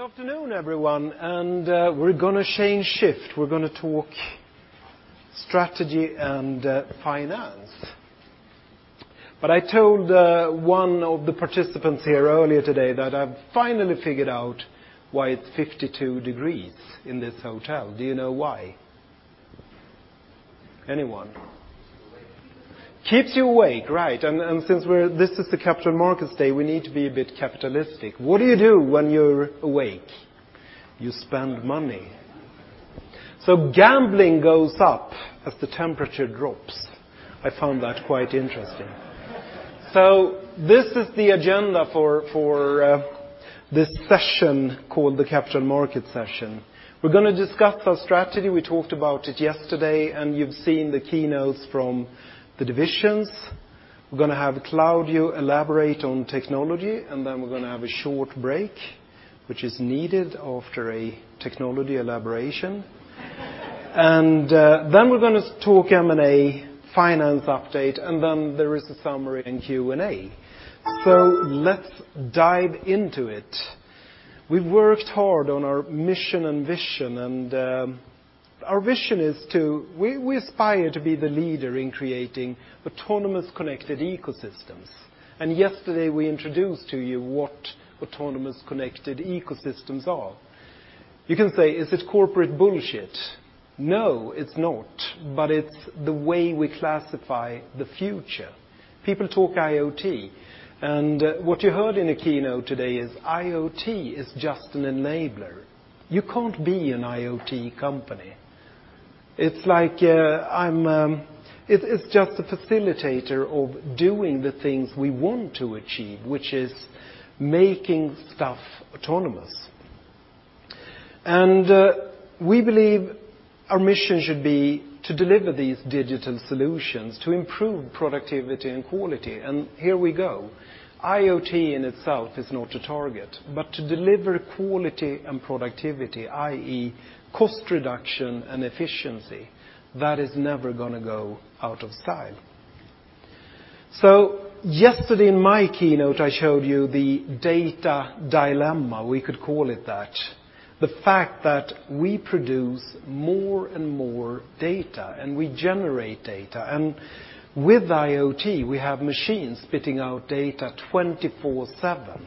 Good afternoon, everyone. We're going to change shift. We're going to talk strategy and finance. I told one of the participants here earlier today that I've finally figured out why it's 52 degrees in this hotel. Do you know why? Anyone? Keeps you awake. Keeps you awake, right. Since this is the Capital Markets Day, we need to be a bit capitalistic. What do you do when you're awake? You spend money. Gambling goes up as the temperature drops. I found that quite interesting. This is the agenda for this session, called the Capital Market session. We're going to discuss our strategy. We talked about it yesterday, and you've seen the keynotes from the divisions. We're going to have Claudio elaborate on technology, then we're going to have a short break, which is needed after a technology elaboration. Then we're going to talk M&A finance update, then there is a summary and Q&A. Let's dive into it. We've worked hard on our mission and vision, our vision is we aspire to be the leader in creating autonomous connected ecosystems. Yesterday, we introduced to you what autonomous connected ecosystems are. You can say, "Is this corporate bullshit?" No, it's not, but it's the way we classify the future. People talk IoT, what you heard in the keynote today is IoT is just an enabler. You can't be an IoT company. It's just a facilitator of doing the things we want to achieve, which is making stuff autonomous. We believe our mission should be to deliver these digital solutions to improve productivity and quality. Here we go. IoT in itself is not a target, but to deliver quality and productivity, i.e., cost reduction and efficiency, that is never going to go out of style. Yesterday in my keynote, I showed you the data dilemma, we could call it that. The fact that we produce more and more data we generate data, with IoT, we have machines spitting out data 24/7.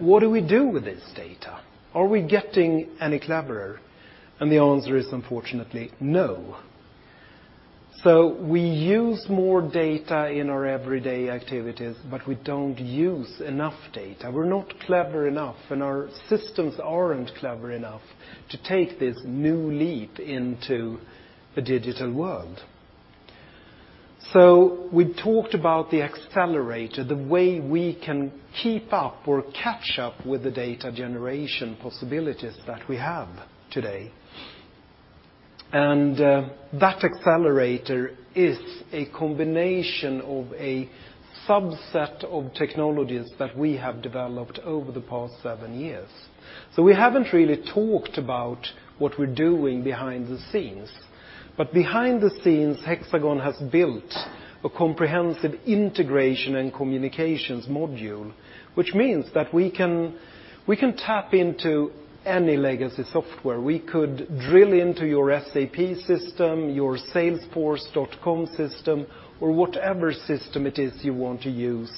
What do we do with this data? Are we getting any cleverer? The answer is unfortunately no. We use more data in our everyday activities, but we don't use enough data. We're not clever enough, our systems aren't clever enough to take this new leap into a digital world. We talked about the accelerator, the way we can keep up or catch up with the data generation possibilities that we have today, that accelerator is a combination of a subset of technologies that we have developed over the past seven years. We haven't really talked about what we're doing behind the scenes. Behind the scenes, Hexagon has built a comprehensive integration and communications module. Which means that we can tap into any legacy software. We could drill into your SAP system, your salesforce.com system, or whatever system it is you want to use.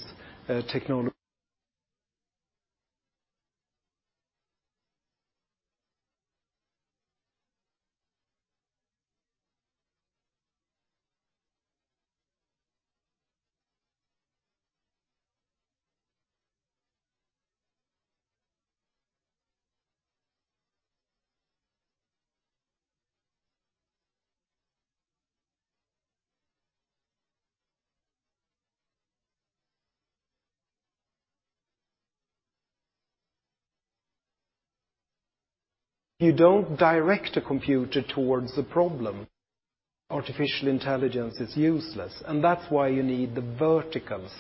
You don't direct a computer towards the problem. Artificial intelligence is useless, that's why you need the verticals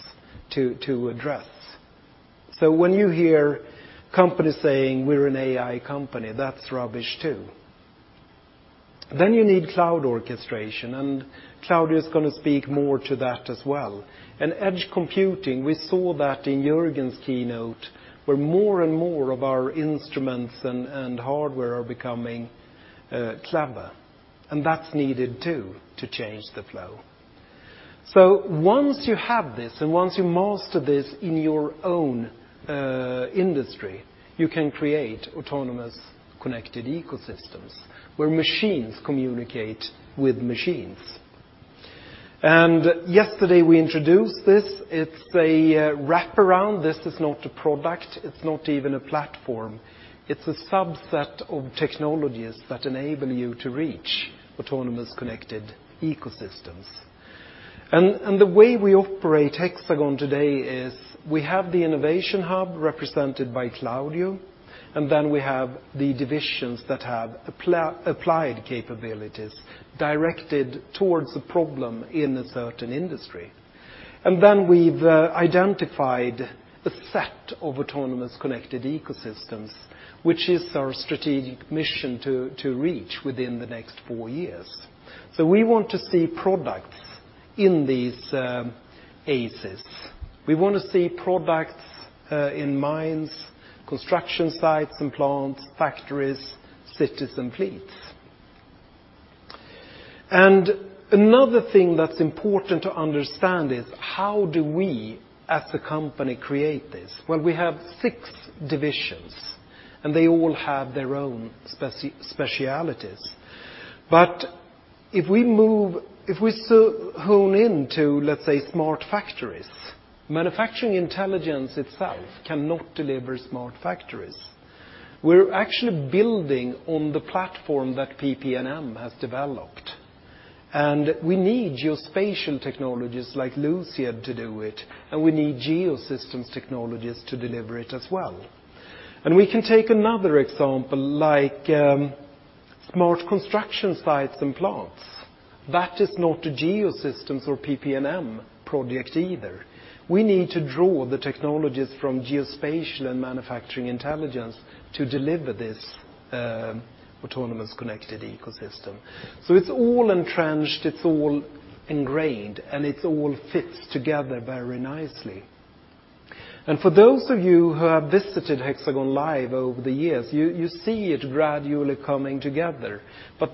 to address. When you hear companies saying, "We're an AI company," that's rubbish, too. You need cloud orchestration, and Claudio is going to speak more to that as well, and edge computing, we saw that in Jörgen's keynote, where more and more of our instruments and hardware are becoming clever, and that's needed, too, to change the flow. Once you have this, and once you master this in your own industry, you can create autonomous connected ecosystems where machines communicate with machines. Yesterday we introduced this. It's a wraparound. This is not a product. It's not even a platform. It's a subset of technologies that enable you to reach autonomous connected ecosystems. The way we operate Hexagon today is we have the innovation hub represented by Claudio, and we have the divisions that have applied capabilities directed towards the problem in a certain industry. We've identified a set of autonomous connected ecosystems, which is our strategic mission to reach within the next four years. We want to see products in these ACEs. We want to see products in mines, construction sites and plants, factories, cities, and fleets. Another thing that's important to understand is how do we as the company create this? Well, we have six divisions, and they all have their own specialties. If we hone into, let's say, smart factories, Manufacturing Intelligence itself cannot deliver smart factories. We're actually building on the platform that PP&M has developed, and we need Geospatial technologies like Luciad to do it, and we need Geosystems technologies to deliver it as well. We can take another example, like smart construction sites and plants. That is not a Geosystems or PP&M project either. We need to draw the technologies from Geospatial and Manufacturing Intelligence to deliver this autonomous connected ecosystem. It's all entrenched, it's all ingrained, and it all fits together very nicely. For those of you who have visited Hexagon Live over the years, you see it gradually coming together.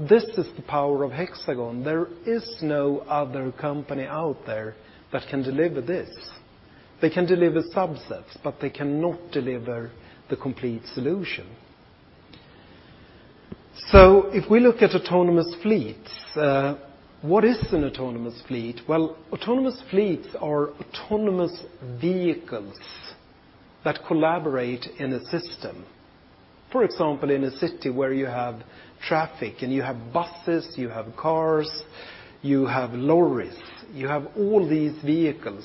This is the power of Hexagon. There is no other company out there that can deliver this. They can deliver subsets, but they cannot deliver the complete solution. If we look at autonomous fleets, what is an autonomous fleet? Well, autonomous fleets are autonomous vehicles that collaborate in a system. For example, in a city where you have traffic and you have buses, you have cars, you have lorries, you have all these vehicles.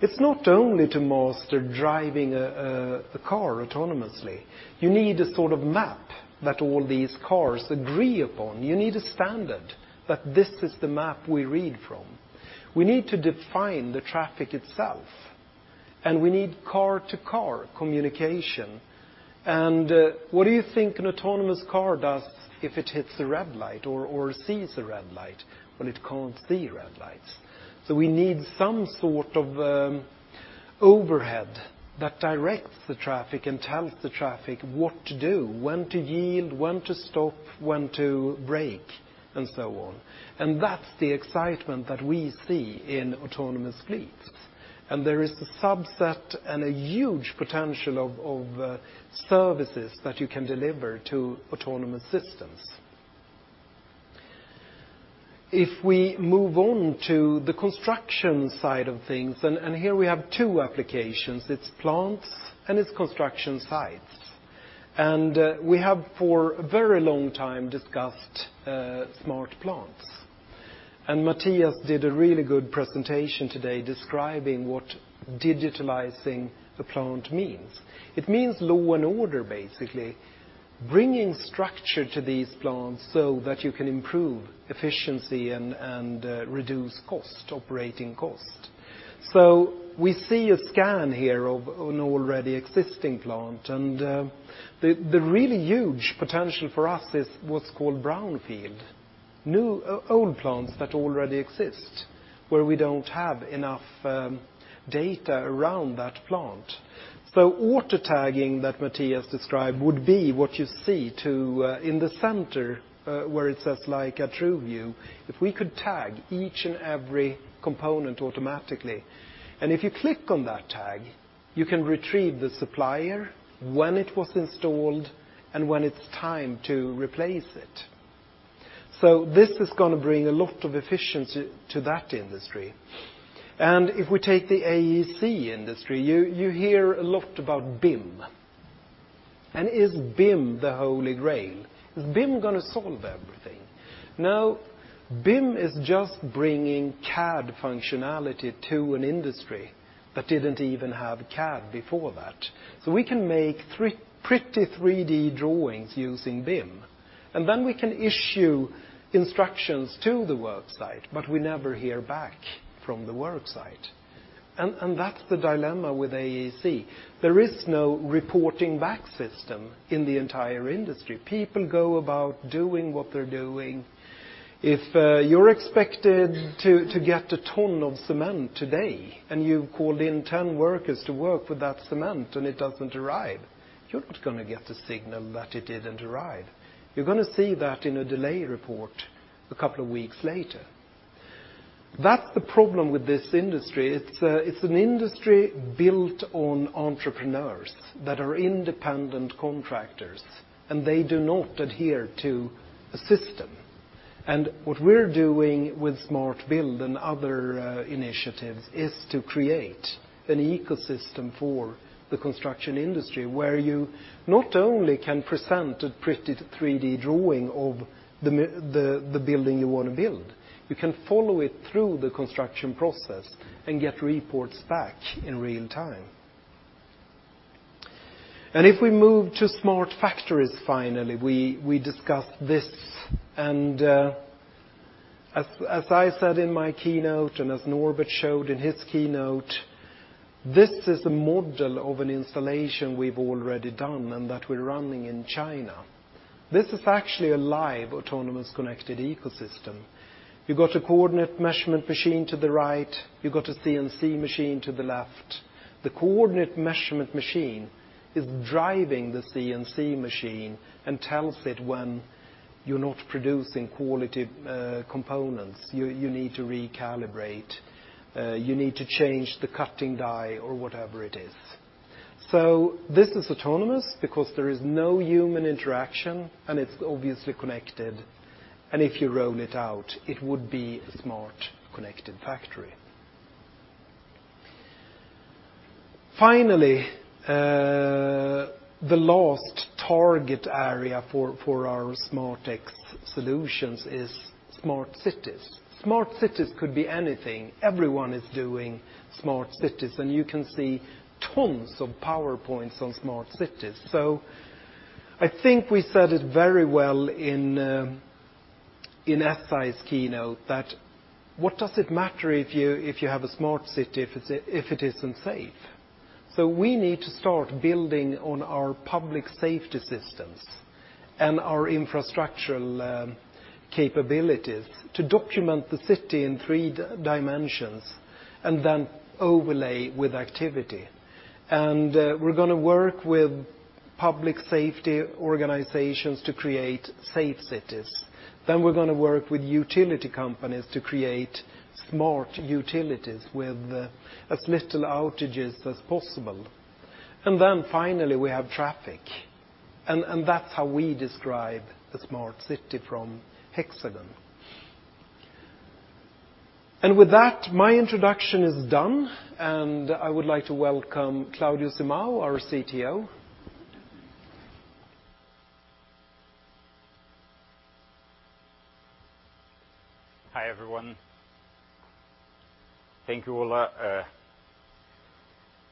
It's not only to master driving a car autonomously. You need a sort of map that all these cars agree upon. You need a standard that this is the map we read from. We need to define the traffic itself, and we need car-to-car communication. What do you think an autonomous car does if it hits a red light or sees a red light? Well, it can't see red lights. We need some sort of overhead that directs the traffic and tells the traffic what to do, when to yield, when to stop, when to brake, and so on. That's the excitement that we see in autonomous fleets. There is a subset and a huge potential of services that you can deliver to autonomous systems. If we move on to the construction side of things, here we have two applications. It's plants and it's construction sites. We have, for a very long time, discussed smart plants. Mattias did a really good presentation today describing what digitalizing the plant means. It means law and order, basically, bringing structure to these plants so that you can improve efficiency and reduce operating cost. We see a scan here of an already existing plant, and the really huge potential for us is what's called brownfield. Old plants that already exist where we don't have enough data around that plant. Auto-tagging that Mattias described would be what you see in the center, where it says Leica TruView. If we could tag each and every component automatically, and if you click on that tag, you can retrieve the supplier, when it was installed, and when it's time to replace it. This is going to bring a lot of efficiency to that industry. If we take the AEC industry, you hear a lot about BIM. Is BIM the Holy Grail? Is BIM going to solve everything? No, BIM is just bringing CAD functionality to an industry that didn't even have CAD before that. We can make pretty 3D drawings using BIM, and then we can issue instructions to the work site, but we never hear back from the work site. That's the dilemma with AEC. There is no reporting-back system in the entire industry. People go about doing what they're doing. If you're expected to get a ton of cement today and you've called in 10 workers to work with that cement and it doesn't arrive, you're not going to get a signal that it didn't arrive. You're going to see that in a delay report a couple of weeks later. That's the problem with this industry. It's an industry built on entrepreneurs that are independent contractors, and they do not adhere to a system. What we're doing with SMART Build and other initiatives is to create an ecosystem for the construction industry where you not only can present a pretty 3D drawing of the building you want to build, you can follow it through the construction process and get reports back in real time. If we move to smart factories, finally, we discussed this. As I said in my keynote and as Norbert showed in his keynote, this is a model of an installation we've already done and that we're running in China. This is actually a live autonomous connected ecosystem. You've got a coordinate measurement machine to the right, you've got a CNC machine to the left. The coordinate measurement machine is driving the CNC machine and tells it when you're not producing quality components, you need to recalibrate, you need to change the cutting die or whatever it is. This is autonomous because there is no human interaction, and it's obviously connected. If you roll it out, it would be a smart, connected factory. Finally, the last target area for our Smart X solutions is smart cities. Smart cities could be anything. Everyone is doing smart cities. You can see tons of PowerPoints on smart cities. I think we said it very well in SI's keynote that what does it matter if you have a smart city if it isn't safe? We need to start building on our public safety systems and our infrastructural capabilities to document the city in three dimensions and then overlay with activity. We're going to work with public safety organizations to create safe cities. We're going to work with utility companies to create smart utilities with as little outages as possible. Finally, we have traffic. That's how we describe a smart city from Hexagon. With that, my introduction is done, and I would like to welcome Claudio Simão, our CTO. Hi, everyone. Thank you, Ola.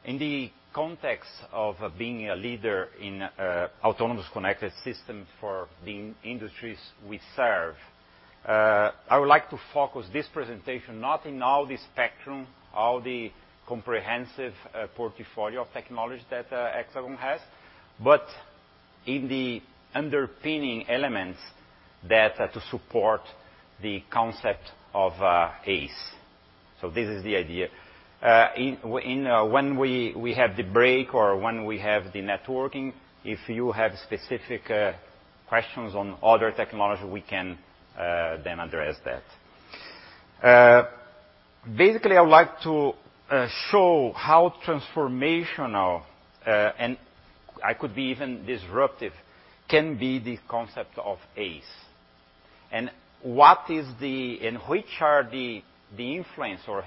In the context of being a leader in autonomous connected systems for the industries we serve, I would like to focus this presentation not in all the spectrum, all the comprehensive portfolio of technology that Hexagon has, but in the underpinning elements that are to support the concept of ACE. This is the idea. When we have the break or when we have the networking, if you have specific questions on other technology, we can then address that. Basically, I would like to show how transformational, and could be even disruptive, can be the concept of ACE. Which are the influence, or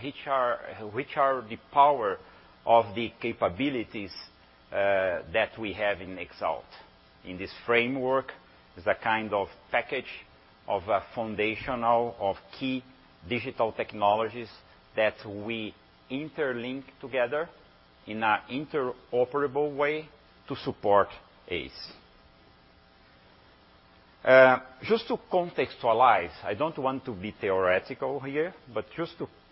which are the power of the capabilities that we have in Xalt. In this framework, is a kind of package of a foundational of key digital technologies that we interlink together in an interoperable way to support ACE. Just to contextualize, I don't want to be theoretical here, but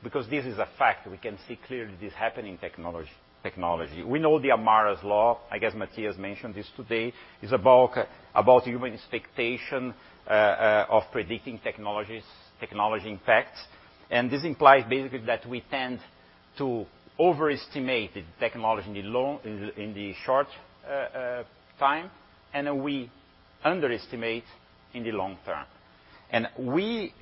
because this is a fact. We can see clearly this happening technology. We know the Amara's Law, I guess Mattias mentioned this today, is about human expectation of predicting technology impacts. This implies basically that we tend to overestimate the technology in the short time, and we underestimate in the long term. We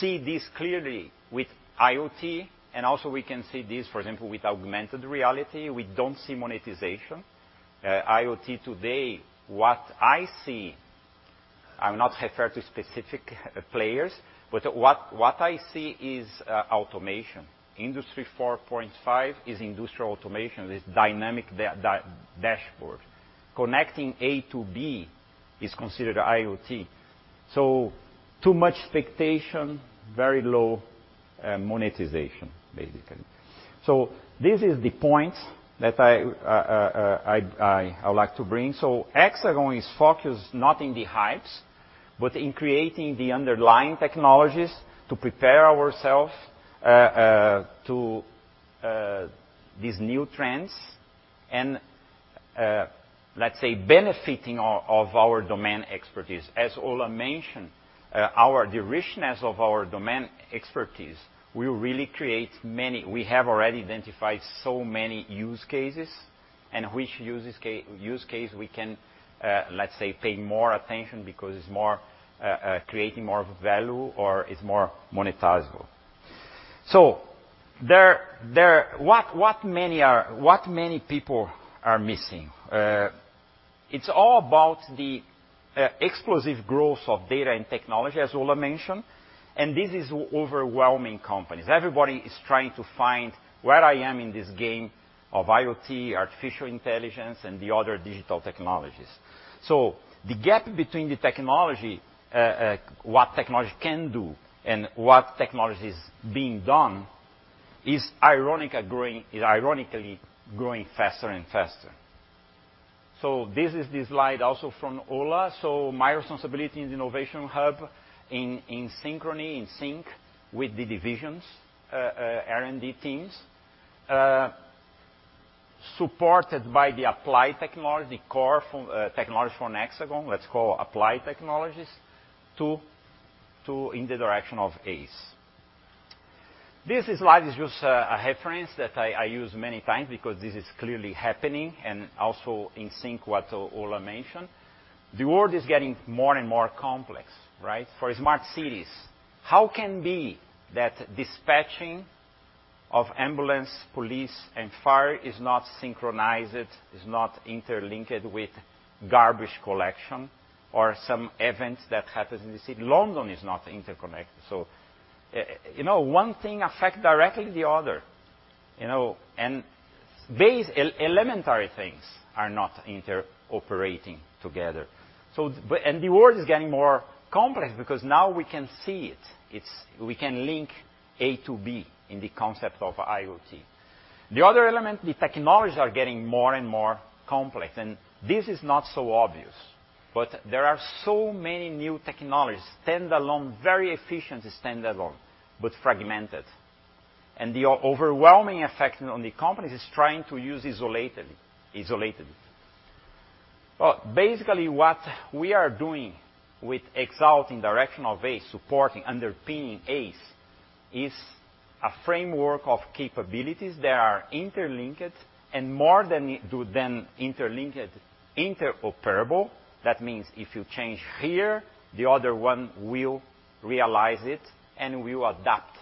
see this clearly with IoT, and also we can see this, for example, with augmented reality. We don't see monetization. IoT today, what I see, I will not refer to specific players, but what I see is automation. Industry 4.5 is industrial automation. It's dynamic dashboard. Connecting A to B is considered IoT. Too much expectation, very low monetization, basically. This is the point that I would like to bring. Hexagon is focused not in the hypes, but in creating the underlying technologies to prepare ourselves to these new trends and, let's say, benefiting of our domain expertise. As Ola mentioned, our richness of our domain expertise will really create many. We have already identified so many use cases, and which use case we can, let's say, pay more attention because it's creating more value or is more monetizable. What many people are missing? It's all about the explosive growth of data and technology, as Ola mentioned, and this is overwhelming companies. Everybody is trying to find where I am in this game of IoT, artificial intelligence, and the other digital technologies. The gap between the technology, what technology can do and what technology is being done, is ironically growing faster and faster. This is the slide also from Ola. My responsibility in the innovation hub, in synchrony, in sync with the divisions' R&D teams. Supported by the applied technology, core technology from Hexagon, let's call applied technologies, in the direction of ACE. This slide is just a reference that I use many times because this is clearly happening and also in sync what Ola mentioned. The world is getting more and more complex, right? For smart cities, how can be that dispatching of ambulance, police, and fire is not synchronized, is not interlinked with garbage collection or some event that happens in the city? London is not interconnected. One thing affect directly the other. These elementary things are not interoperating together. The world is getting more complex because now we can see it. We can link A to B in the concept of IoT. The other element, the technologies are getting more and more complex, this is not so obvious, but there are so many new technologies, standalone, very efficient standalone, but fragmented. The overwhelming effect on the companies is trying to use isolated. Well, basically what we are doing with Xalt in direction of ACE, supporting, underpinning ACE, is a framework of capabilities that are interlinked, and more than interlinked, interoperable. That means if you change here, the other one will realize it and will adapt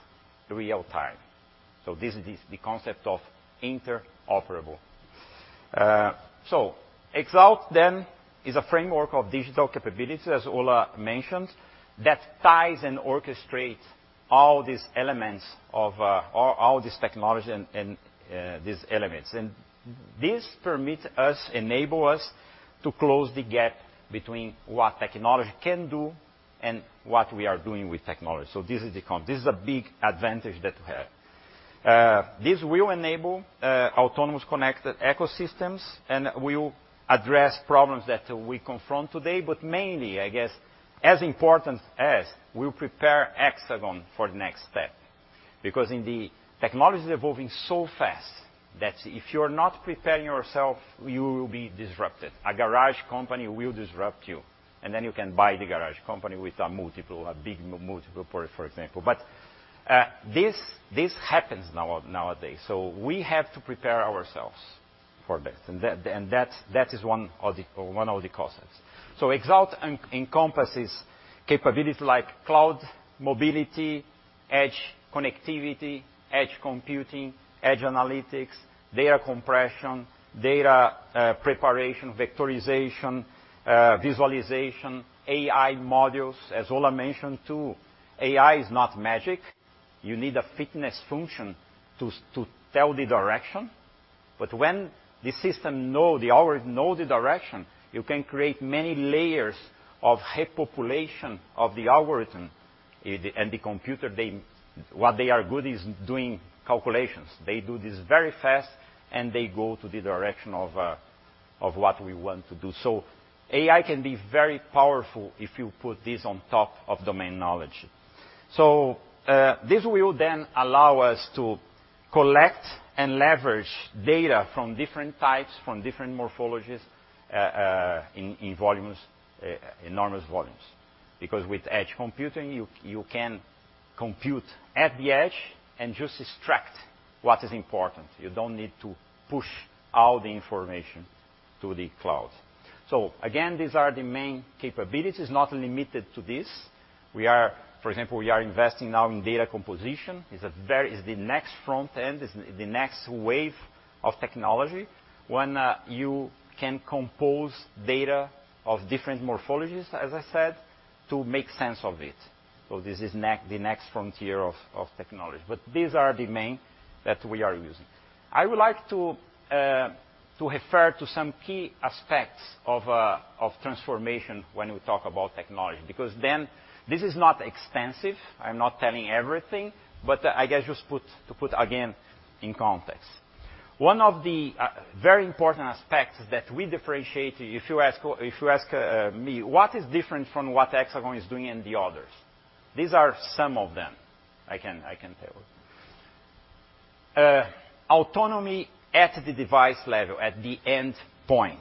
real-time. This is the concept of interoperable. Xalt then is a framework of digital capabilities, as Ola mentioned, that ties and orchestrates all these elements of all this technology and these elements. This permit us, enable us to close the gap between what technology can do and what we are doing with technology. This is a big advantage that we have. This will enable autonomous connected ecosystems and will address problems that we confront today, but mainly, I guess, as important as we prepare Hexagon for the next step. Because the technology is evolving so fast that if you're not preparing yourself, you will be disrupted. A garage company will disrupt you, and then you can buy the garage company with a multiple, a big multiple, for example. This happens nowadays, so we have to prepare ourselves for this, and that is one of the concepts. Xalt encompasses capabilities like cloud, mobility, edge connectivity, edge computing, edge analytics, data compression, data preparation, vectorization, visualization, AI modules. As Ola mentioned, too, AI is not magic. You need a fitness function to tell the direction. When the system know the direction, you can create many layers of repopulation of the algorithm and the computer, what they are good is doing calculations. They do this very fast, and they go to the direction of what we want to do. AI can be very powerful if you put this on top of domain knowledge. This will then allow us to collect and leverage data from different types, from different morphologies in enormous volumes. Because with edge computing, you can compute at the edge and just extract what is important. You don't need to push all the information to the cloud. Again, these are the main capabilities, not limited to this. For example, we are investing now in data composition. It's the next front end, it's the next wave of technology when you can compose data of different morphologies, as I said, to make sense of it. This is the next frontier of technology, but these are the main that we are using. I would like to refer to some key aspects of transformation when we talk about technology, because then this is not extensive. I'm not telling everything, but I guess just to put again in context. One of the very important aspects that we differentiate, if you ask me what is different from what Hexagon is doing and the others? These are some of them I can tell. Autonomy at the device level, at the end point.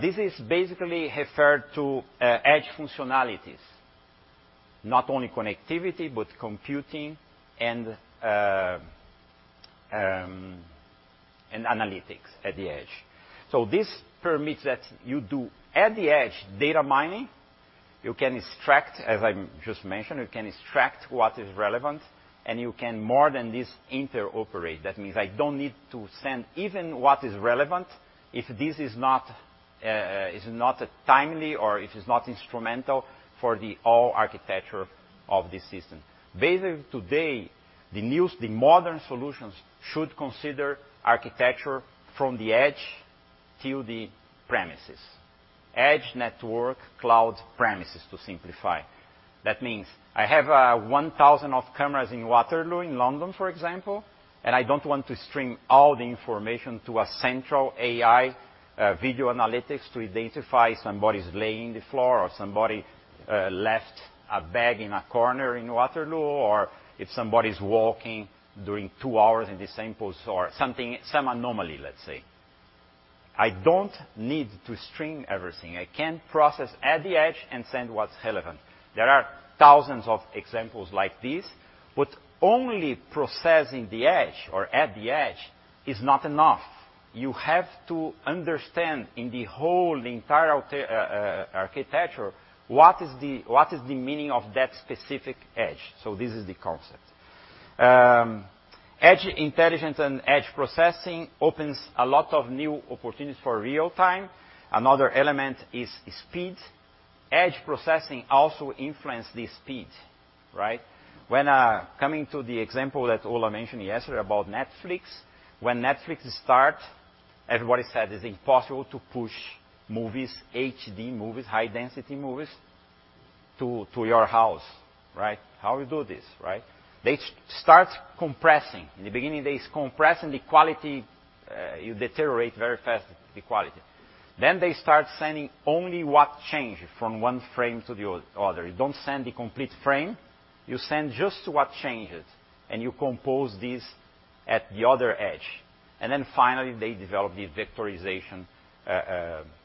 This is basically referred to edge functionalities, not only connectivity but computing and analytics at the edge. This permits that you do, at the edge, data mining. You can extract, as I just mentioned, you can extract what is relevant, and you can more than this interoperate. That means I don't need to send even what is relevant if this is not timely or if it's not instrumental for the whole architecture of the system. Basically today, the modern solutions should consider architecture from the edge to the premises. Edge network cloud premises to simplify. That means I have 1,000 of cameras in Waterloo, in London, for example, and I don't want to stream all the information to a central AI video analytics to identify somebody's laying on the floor or somebody left a bag in a corner in Waterloo, or if somebody's walking during two hours in the same place or some anomaly, let's say. I don't need to stream everything. I can process at the edge and send what's relevant. There are thousands of examples like this, but only processing the edge or at the edge is not enough. You have to understand in the whole entire architecture, what is the meaning of that specific edge? This is the concept. Edge intelligence and edge processing opens a lot of new opportunities for real-time. Another element is speed. Edge processing also influence the speed, right? When coming to the example that Ola mentioned yesterday about Netflix, when Netflix start, everybody said it's impossible to push movies, HD movies, high density movies, to your house. Right? How you do this, right? They start compressing. In the beginning, they're compressing the quality, you deteriorate very fast the quality. Then they start sending only what changed from one frame to the other. You don't send the complete frame, you send just what changes, and you compose this at the other edge. Finally, they develop the vectorization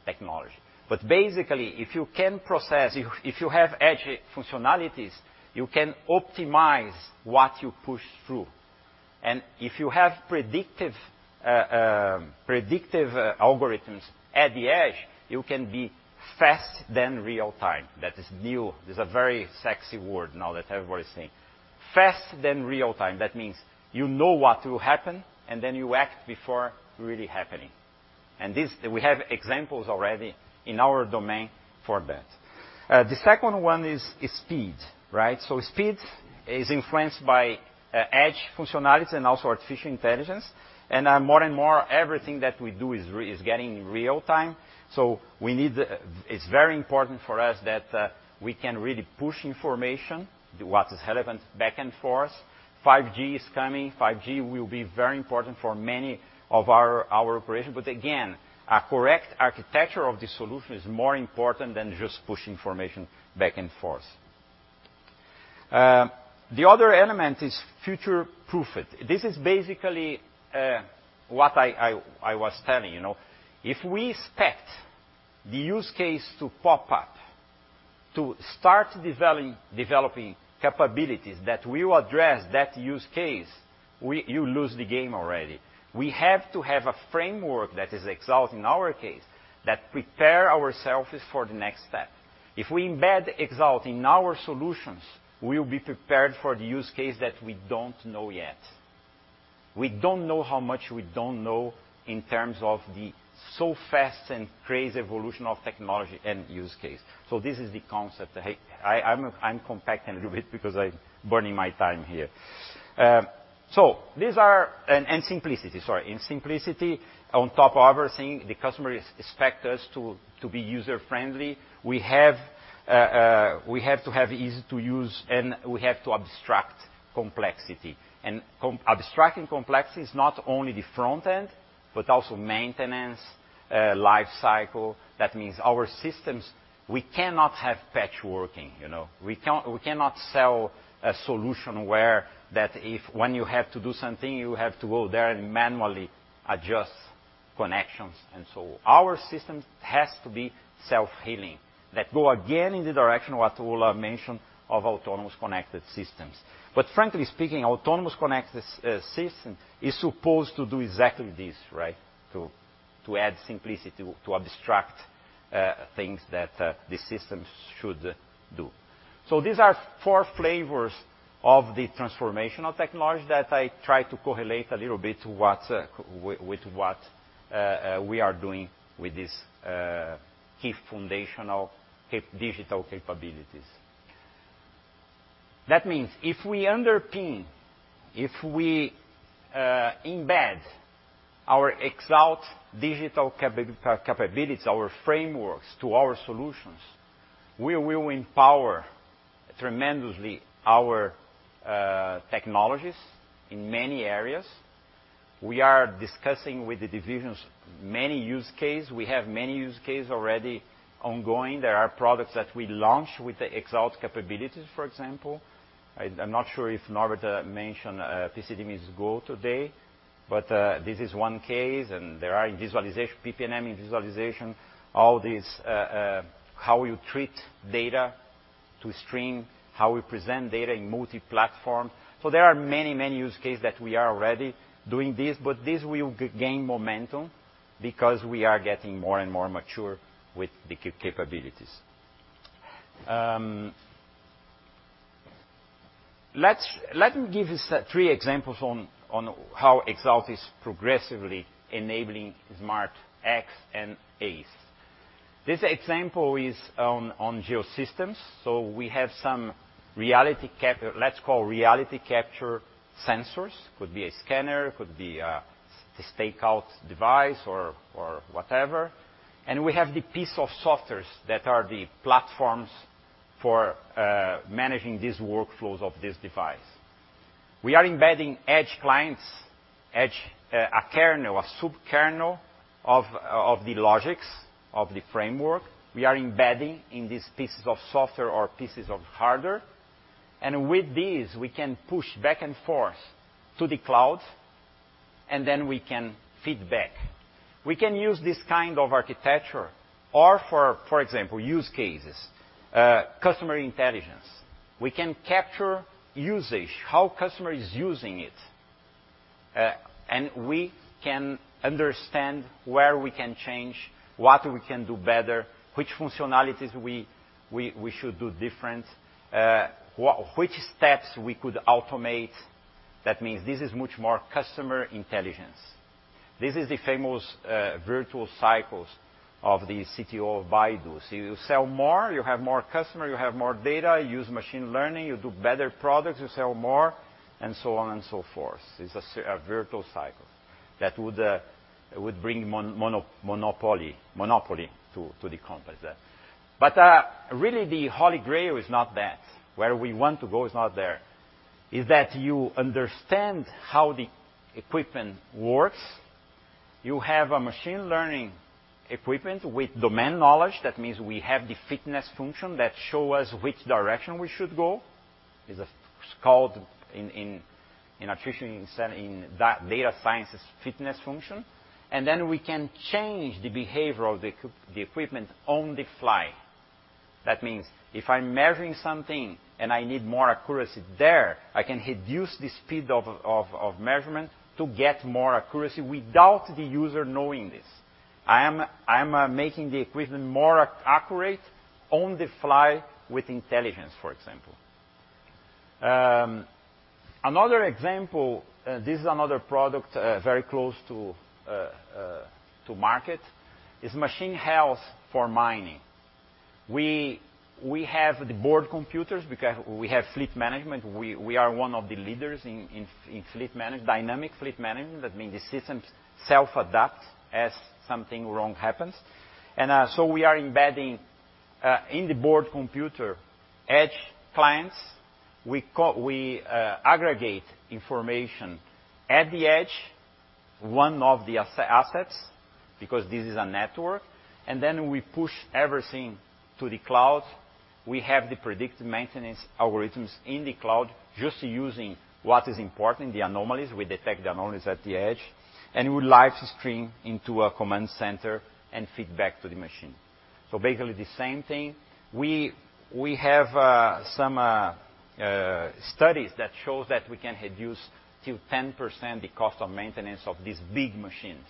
technology. Basically, if you can process, if you have edge functionalities, you can optimize what you push through. If you have predictive algorithms at the edge, you can be faster than real-time. That is new. That's a very sexy word now that everybody's saying. Faster than real-time, that means you know what will happen, and then you act before really happening. We have examples already in our domain for that. The second one is speed, right? Speed is influenced by edge functionality and also artificial intelligence. More and more, everything that we do is getting real-time. It's very important for us that we can really push information, what is relevant back and forth. 5G is coming. 5G will be very important for many of our operations. Again, a correct architecture of the solution is more important than just push information back and forth. The other element is future-proofed. This is basically what I was telling you. If we expect the use case to pop up to start developing capabilities that will address that use case, you lose the game already. We have to have a framework that is Xalt in our case, that prepare ourselves for the next step. If we embed Xalt in our solutions, we will be prepared for the use case that we don't know yet. We don't know how much we don't know in terms of the so fast and crazy evolution of technology and use case. This is the concept. I'm compacting a little bit because I'm burning my time here. Simplicity. Sorry. Simplicity on top of everything, the customer expect us to be user-friendly. We have to have easy to use, and we have to abstract complexity. Abstracting complexity is not only the front end, but also maintenance, life cycle. That means our systems, we cannot have patch working. We cannot sell a solution where that if when you have to do something, you have to go there and manually adjust connections. Our system has to be self-healing. That go again in the direction what Ola mentioned of autonomous connected systems. Frankly speaking, autonomous connected system is supposed to do exactly this, right? To add simplicity, to abstract things that the system should do. These are four flavors of the transformational technology that I try to correlate a little bit with what we are doing with this key foundational digital capabilities. That means if we underpin, if we embed our Xalt digital capabilities, our frameworks to our solutions, we will empower tremendously our technologies in many areas. We are discussing with the divisions many use case. We have many use case already ongoing. There are products that we launch with the Xalt capabilities, for example. I'm not sure if Norbert mentioned PC-DMIS Go today, but this is one case, and there are visualization, PP&M visualization, all these how you treat data to stream, how we present data in multi-platform. There are many use cases that we are already doing this, but this will gain momentum because we are getting more and more mature with the capabilities. Let me give you three examples on how Xalt is progressively enabling Smart X and ACE. This example is on Geosystems. We have some reality capture, let's call reality capture sensors. Could be a scanner, could be a stakeout device or whatever. We have the piece of softwares that are the platforms for managing these workflows of this device. We are embedding edge clients, edge kernel, a subkernel of the logics of the framework. We are embedding in these pieces of software or pieces of hardware. With this, we can push back and forth to the cloud, and then we can feed back. We can use this kind of architecture or, for example, use cases, customer intelligence. We can capture usage, how customer is using it, and we can understand where we can change, what we can do better, which functionalities we should do different, which steps we could automate. That means this is much more customer intelligence. This is the famous virtuous cycles of the CTO of Baidu. You sell more, you have more customer, you have more data, you use machine learning, you do better products, you sell more, and so on and so forth. It's a virtual cycle that would bring monopoly to the complex. Really the Holy Grail is not that. Where we want to go is not there. Is that you understand how the equipment works. You have a machine learning equipment with domain knowledge. That means we have the fitness function that show us which direction we should go. It's called in data sciences, fitness function. Then we can change the behavior of the equipment on the fly. That means if I'm measuring something and I need more accuracy there, I can reduce the speed of measurement to get more accuracy without the user knowing this. I am making the equipment more accurate on the fly with intelligence, for example. Another example, this is another product very close to market, is machine health for mining. We have the board computers. We have fleet management. We are one of the leaders in dynamic fleet management. That means the system self-adapts as something wrong happens. We are embedding in the board computer edge clients. We aggregate information at the edge, one of the assets, because this is a network, we push everything to the cloud. We have the predictive maintenance algorithms in the cloud just using what is important, the anomalies. We detect the anomalies at the edge, we live stream into a command center and feed back to the machine. Basically the same thing. We have some studies that shows that we can reduce till 10% the cost of maintenance of these big machines.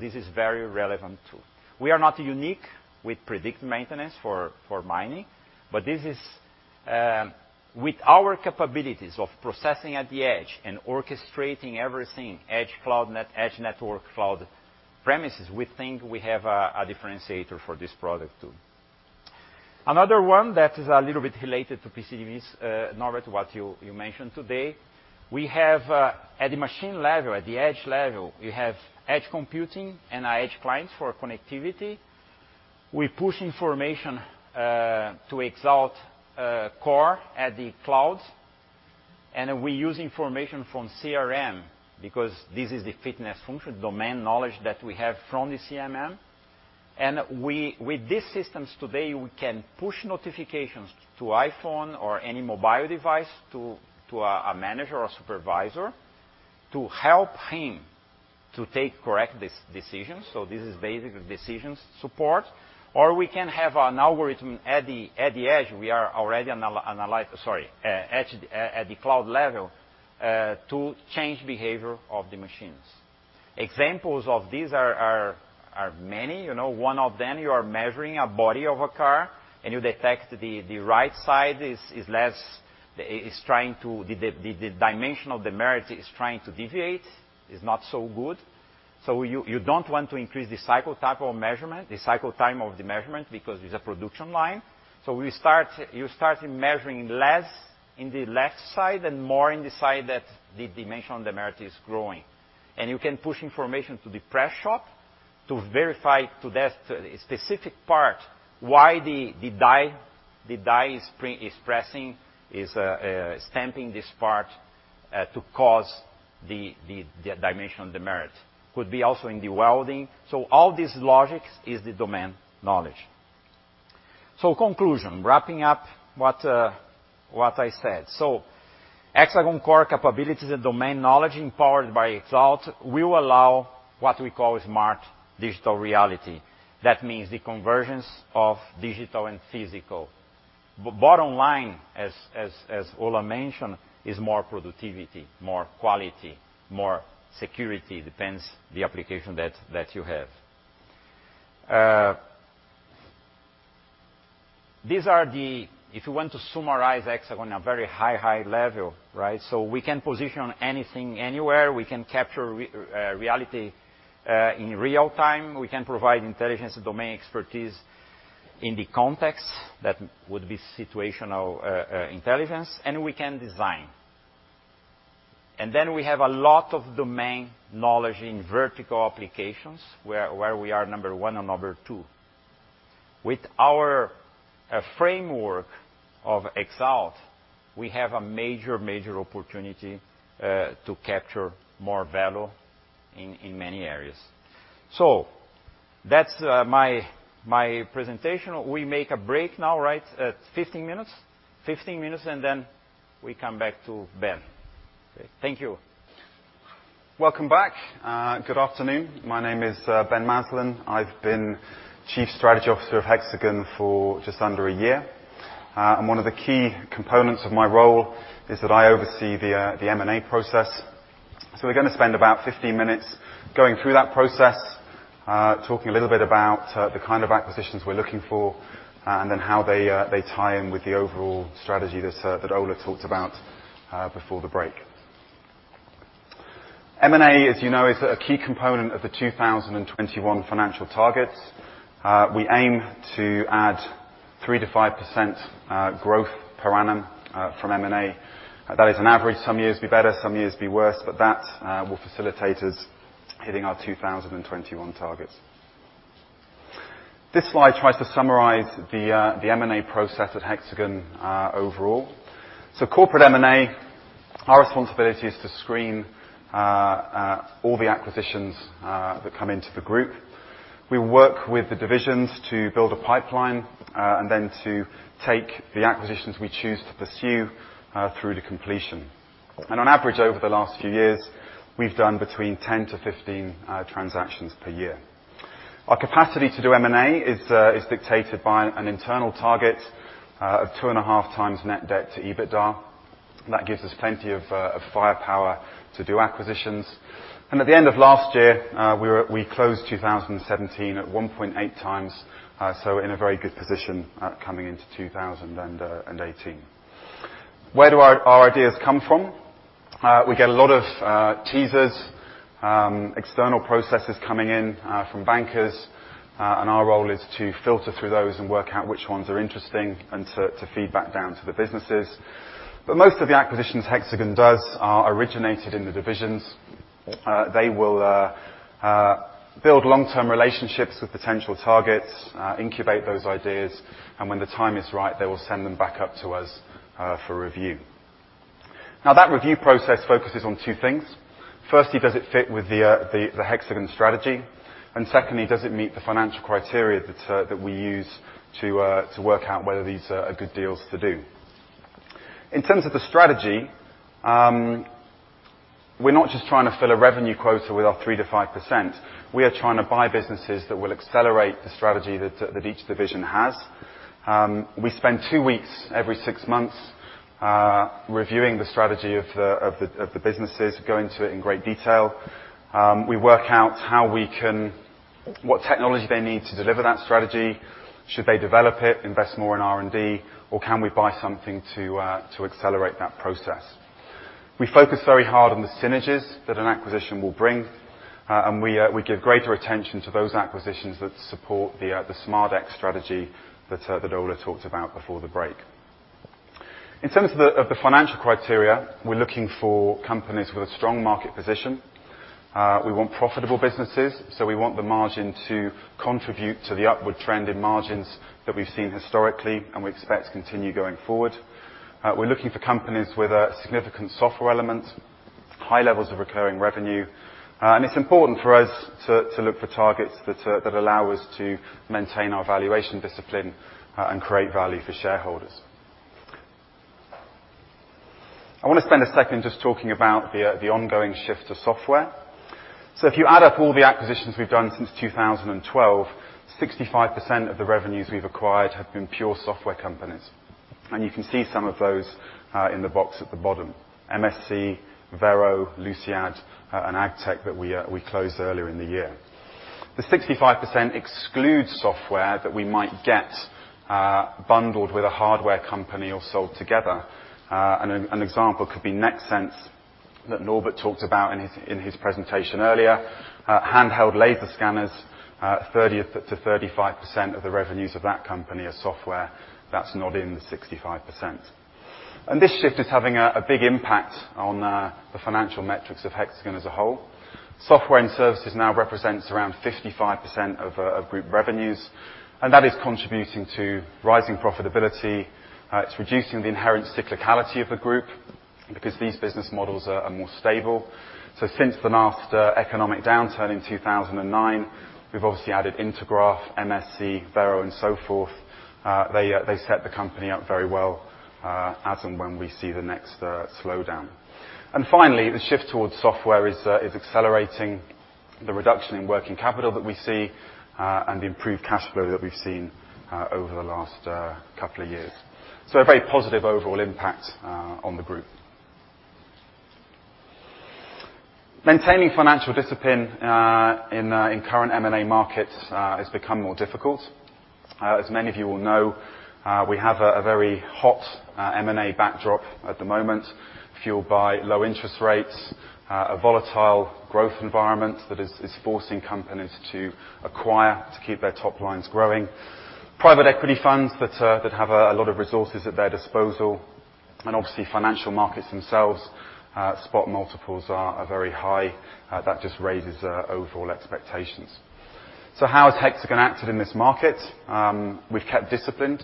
This is very relevant too. We are not unique with predictive maintenance for mining, with our capabilities of processing at the edge and orchestrating everything, edge network, cloud premises, we think we have a differentiator for this product too. Another one that is a little bit related to PC-DMIS, Norbert, what you mentioned today. At the machine level, at the edge level, we have edge computing and our edge clients for connectivity. We push information to Xalt core at the cloud, we use information from CRM because this is the fitness function, domain knowledge that we have from the CRM. With these systems today, we can push notifications to iPhone or any mobile device to a manager or supervisor to help him to take correct decisions. This is basic decisions support. Or we can have an algorithm at the cloud level, to change behavior of the machines. Examples of these are many. One of them, you are measuring a body of a car you detect the right side, the dimension of demerit is trying to deviate, is not so good. You don't want to increase the cycle time of the measurement because it's a production line. You start measuring less in the left side and more in the side that the dimension of demerit is growing. You can push information to the press shop to verify to that specific part why the die is pressing, is stamping this part to cause the dimension of demerit. Could be also in the welding. All this logics is the domain knowledge. Conclusion, wrapping up what I said. Hexagon core capabilities and domain knowledge empowered by Xalt will allow what we call Smart Digital Reality. That means the convergence of digital and physical. Bottom line, as Ola mentioned, is more productivity, more quality, more security, depends the application that you have. If you want to summarize Hexagon at a very high level. We can position anything anywhere. We can capture reality in real time. We can provide intelligence and domain expertise in the context. That would be situational intelligence. We can design. We have a lot of domain knowledge in vertical applications where we are number 1 and number 2. With our framework of Xalt, we have a major opportunity to capture more value in many areas. That's my presentation. We make a break now, right? 15 minutes? 15 minutes, and then we come back to Ben. Okay. Thank you. Welcome back. Good afternoon. My name is Ben Maslen. I've been Chief Strategy Officer of Hexagon for just under a year. One of the key components of my role is that I oversee the M&A process. We're going to spend about 15 minutes going through that process, talking a little bit about the kind of acquisitions we're looking for, and then how they tie in with the overall strategy that Ola talked about before the break. M&A, as you know, is a key component of the 2021 financial targets. We aim to add 3%-5% growth per annum from M&A. That is an average. Some years be better, some years be worse, that will facilitate us hitting our 2021 targets. This slide tries to summarize the M&A process at Hexagon overall. Corporate M&A, our responsibility is to screen all the acquisitions that come into the group. We work with the divisions to build a pipeline, then to take the acquisitions we choose to pursue through to completion. On average, over the last few years, we've done between 10-15 transactions per year. Our capacity to do M&A is dictated by an internal target of 2.5 times net debt/EBITDA. That gives us plenty of firepower to do acquisitions. At the end of last year, we closed 2017 at 1.8 times, so in a very good position coming into 2018. Where do our ideas come from? We get a lot of teasers, external processes coming in from bankers, our role is to filter through those and work out which ones are interesting and to feed back down to the businesses. Most of the acquisitions Hexagon does are originated in the divisions. They will build long-term relationships with potential targets, incubate those ideas, when the time is right, they will send them back up to us for review. That review process focuses on two things. Firstly, does it fit with the Hexagon strategy? Secondly, does it meet the financial criteria that we use to work out whether these are good deals to do? In terms of the strategy, we're not just trying to fill a revenue quota with our 3%-5%. We are trying to buy businesses that will accelerate the strategy that each division has. We spend two weeks every six months, reviewing the strategy of the businesses, go into it in great detail. We work out what technology they need to deliver that strategy. Should they develop it, invest more in R&D, or can we buy something to accelerate that process? We focus very hard on the synergies that an acquisition will bring, and we give greater attention to those acquisitions that support the Smart X strategy that Ola talked about before the break. In terms of the financial criteria, we're looking for companies with a strong market position. We want profitable businesses, so we want the margin to contribute to the upward trend in margins that we've seen historically and we expect to continue going forward. We're looking for companies with a significant software element, high levels of recurring revenue. It's important for us to look for targets that allow us to maintain our valuation discipline and create value for shareholders. I want to spend a second just talking about the ongoing shift to software. If you add up all the acquisitions we've done since 2012, 65% of the revenues we've acquired have been pure software companies. You can see some of those in the box at the bottom, MSC, Vero, Luciad, and AgTech that we closed earlier in the year. The 65% excludes software that we might get bundled with a hardware company or sold together. An example could be NEXTSENSE that Norbert talked about in his presentation earlier. Handheld laser scanners, 30%-35% of the revenues of that company are software. That's not in the 65%. This shift is having a big impact on the financial metrics of Hexagon as a whole. Software and services now represents around 55% of group revenues, and that is contributing to rising profitability. It's reducing the inherent cyclicality of the group because these business models are more stable. Since the economic downturn in 2009, we've obviously added Intergraph, MSC, Vero, and so forth. They set the company up very well as and when we see the next slowdown. Finally, the shift towards software is accelerating the reduction in working capital that we see, and the improved cash flow that we've seen over the last couple of years. A very positive overall impact on the group. Maintaining financial discipline in current M&A markets has become more difficult. As many of you will know, we have a very hot M&A backdrop at the moment, fueled by low interest rates A volatile growth environment that is forcing companies to acquire to keep their top lines growing. Private equity funds that have a lot of resources at their disposal, and obviously financial markets themselves, spot multiples are very high. That just raises overall expectations. How has Hexagon acted in this market? We've kept disciplined.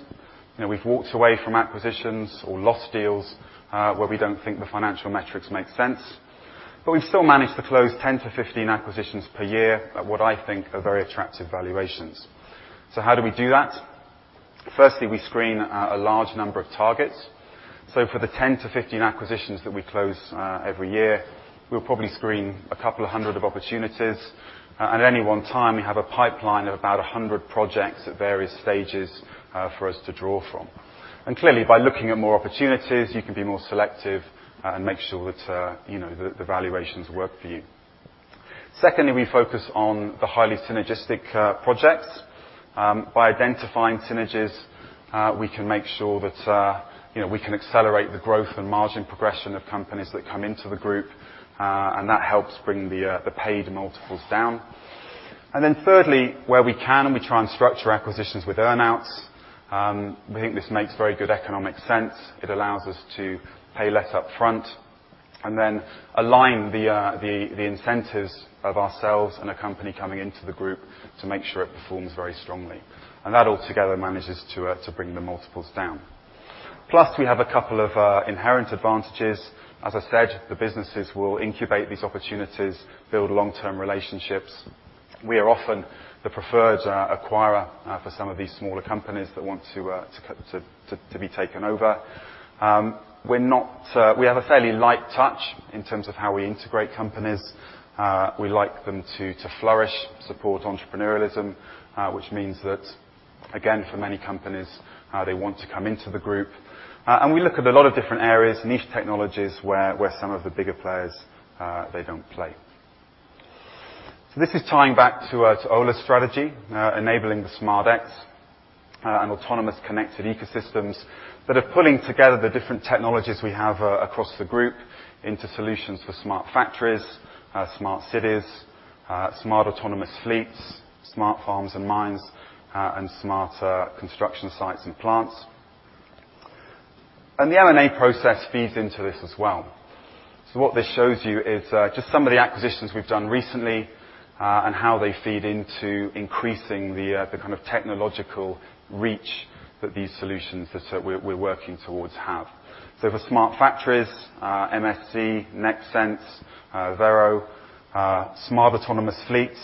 We've walked away from acquisitions or lost deals where we don't think the financial metrics make sense. We've still managed to close 10-15 acquisitions per year at what I think are very attractive valuations. How do we do that? Firstly, we screen a large number of targets. For the 10-15 acquisitions that we close every year, we'll probably screen a couple of hundred of opportunities. At any one time, we have a pipeline of about 100 projects at various stages for us to draw from. Clearly, by looking at more opportunities, you can be more selective and make sure that the valuations work for you. Secondly, we focus on the highly synergistic projects. By identifying synergies, we can make sure that we can accelerate the growth and margin progression of companies that come into the group, that helps bring the paid multiples down. Thirdly, where we can, we try and structure acquisitions with earn-outs. We think this makes very good economic sense. It allows us to pay less upfront, align the incentives of ourselves and a company coming into the group to make sure it performs very strongly. That all together manages to bring the multiples down. We have a couple of inherent advantages. As I said, the businesses will incubate these opportunities, build long-term relationships. We are often the preferred acquirer for some of these smaller companies that want to be taken over. We have a fairly light touch in terms of how we integrate companies. We like them to flourish, support entrepreneurialism, which means that, again, for many companies, how they want to come into the group. We look at a lot of different areas, niche technologies, where some of the bigger players they don't play. This is tying back to Ola's strategy, enabling the Smart X, and autonomous connected ecosystems that are pulling together the different technologies we have across the group into solutions for smart factories, smart cities, smart autonomous fleets, smart farms and mines, and smarter construction sites and plants. The M&A process feeds into this as well. What this shows you is just some of the acquisitions we've done recently, and how they feed into increasing the kind of technological reach that these solutions that we're working towards have. For smart factories, MSC, NEXTSENSE, Vero. Smart autonomous fleets,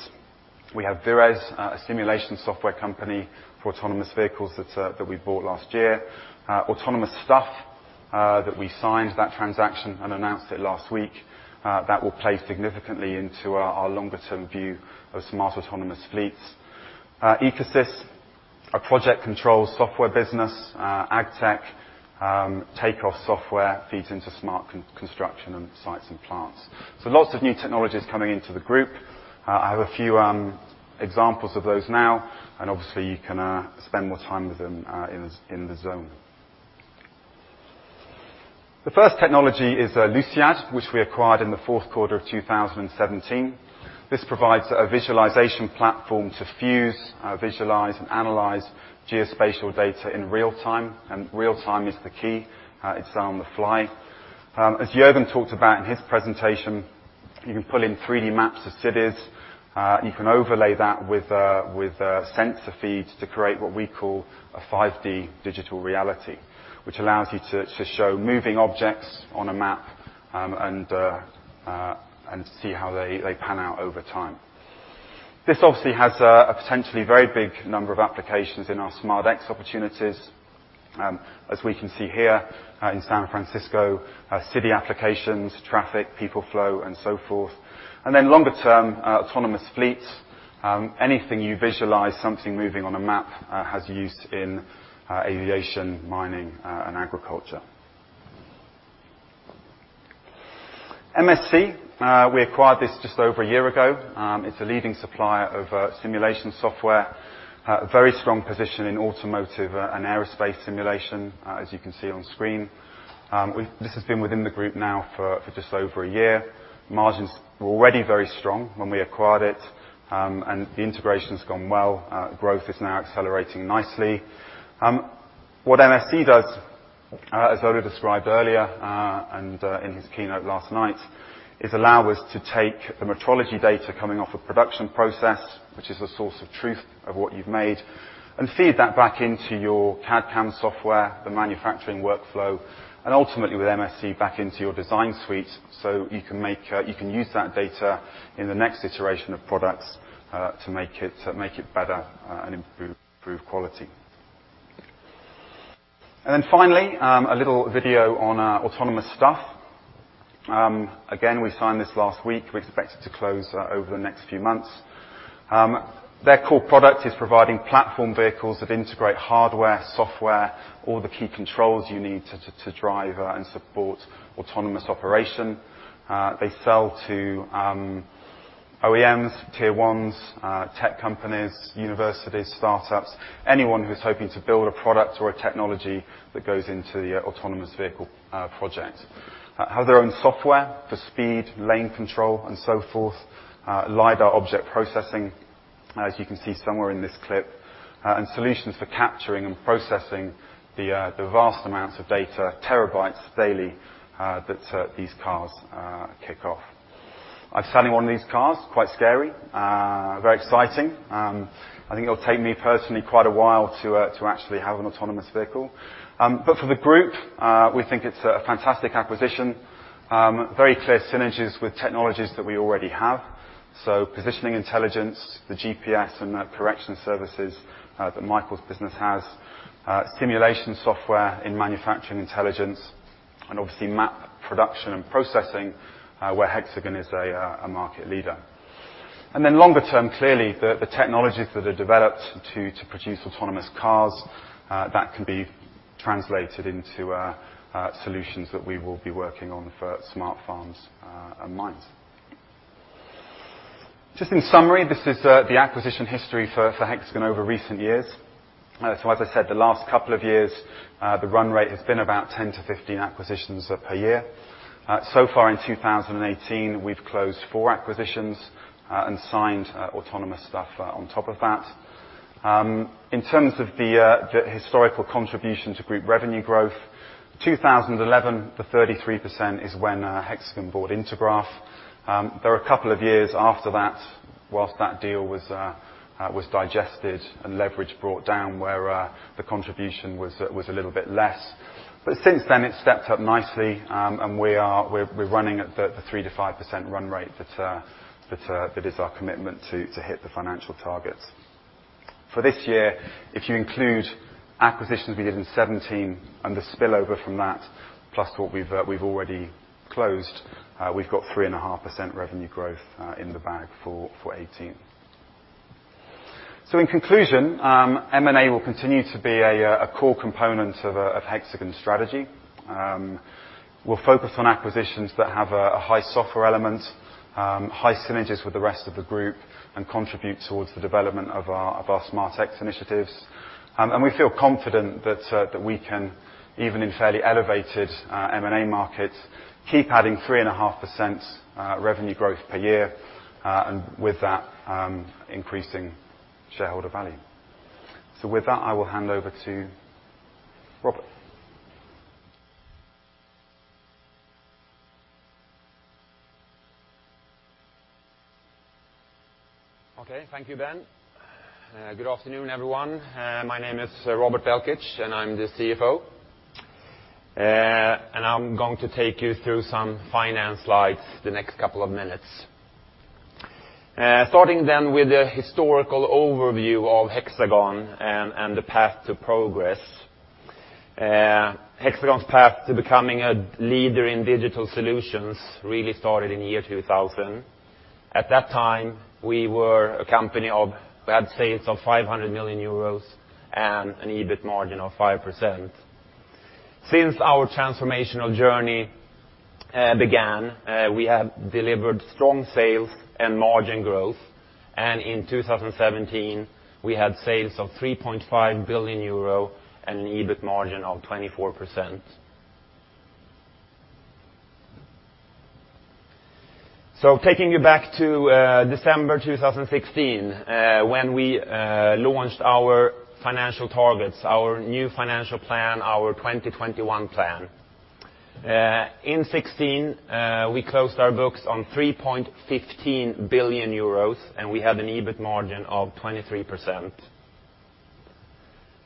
we have Vires, a simulation software company for autonomous vehicles that we bought last year. AutonomouStuff that we signed that transaction and announced it last week. That will play significantly into our longer term view of smart autonomous fleets. EcoSys, our project control software business. AgTech, takeoff software feeds into smart construction and sites and plants. Lots of new technologies coming into the group. I have a few examples of those now, and obviously you can spend more time with them in the zone. The first technology is Luciad which we acquired in the fourth quarter of 2017. This provides a visualization platform to fuse, visualize, and analyze geospatial data in real time. Real time is the key. It's on the fly. As Jörgen talked about in his presentation, you can pull in 3D maps to cities, you can overlay that with sensor feeds to create what we call a 5D digital reality, which allows you to show moving objects on a map and see how they pan out over time. This obviously has a potentially very big number of applications in our Smart X opportunities. As we can see here in San Francisco, city applications, traffic, people flow, and so forth. Longer term, autonomous fleets. Anything you visualize something moving on a map has use in aviation, mining, and agriculture. MSC, we acquired this just over a year ago. It's a leading supplier of simulation software. Very strong position in automotive and aerospace simulation, as you can see on screen. This has been within the group now for just over a year. Margins were already very strong when we acquired it, the integration's gone well. Growth is now accelerating nicely. What MSC does, as Ola described earlier and in his keynote last night, is allow us to take the metrology data coming off a production process, which is a source of truth of what you've made, and feed that back into your CAD/CAM software, the manufacturing workflow, and ultimately with MSC back into your design suite so you can use that data in the next iteration of products to make it better and improve quality. Finally, a little video on our AutonomouStuff. Again, we signed this last week. We expect it to close over the next few months. Their core product is providing platform vehicles that integrate hardware, software, all the key controls you need to drive and support autonomous operation. They sell to OEMs, tier 1s, tech companies, universities, startups, anyone who's hoping to build a product or a technology that goes into the autonomous vehicle project, have their own software for speed, lane control, and so forth, lidar object processing, as you can see somewhere in this clip, and solutions for capturing and processing the vast amounts of data, terabytes daily, that these cars kick off. I've sat in one of these cars. Quite scary. Very exciting. I think it'll take me personally quite a while to actually have an autonomous vehicle. For the group, we think it's a fantastic acquisition. Very clear synergies with technologies that we already have. Positioning Intelligence, the GPS and the correction services that Michael's business has, simulation software in Manufacturing Intelligence, obviously map production and processing, where Hexagon is a market leader. Longer term, clearly the technologies that are developed to produce autonomous cars, that can be translated into solutions that we will be working on for Smart farms and mines. Just in summary, this is the acquisition history for Hexagon over recent years. As I said, the last couple of years, the run rate has been about 10-15 acquisitions per year. So far in 2018, we've closed four acquisitions and signed AutonomouStuff on top of that. In terms of the historical contribution to group revenue growth, 2011, the 33% is when Hexagon bought Intergraph. There were a couple of years after that whilst that deal was digested and leverage brought down where the contribution was a little bit less. Since then, it's stepped up nicely, and we're running at the 3%-5% run rate that is our commitment to hit the financial targets. For this year, if you include acquisitions we did in 2017 and the spillover from that, plus what we've already closed, we've got 3.5% revenue growth in the bag for 2018. In conclusion, M&A will continue to be a core component of Hexagon's strategy. We'll focus on acquisitions that have a high software element, high synergies with the rest of the group, and contribute towards the development of our Smart X initiatives. We feel confident that we can, even in fairly elevated M&A markets, keep adding 3.5% revenue growth per year, and with that, increasing shareholder value. With that, I will hand over to Robert. Thank you, Ben. Good afternoon, everyone. My name is Robert Belkic, and I am the CFO. I am going to take you through some finance slides the next couple of minutes. Starting with the historical overview of Hexagon and the path to progress. Hexagon's path to becoming a leader in digital solutions really started in the year 2000. At that time, we had sales of 500 million euros and an EBIT margin of 5%. Since our transformational journey began, we have delivered strong sales and margin growth. In 2017, we had sales of 3.5 billion euro and an EBIT margin of 24%. Taking you back to December 2016, when we launched our financial targets, our new financial plan, our 2021 plan. In 2016, we closed our books on 3.15 billion euros, and we had an EBIT margin of 23%.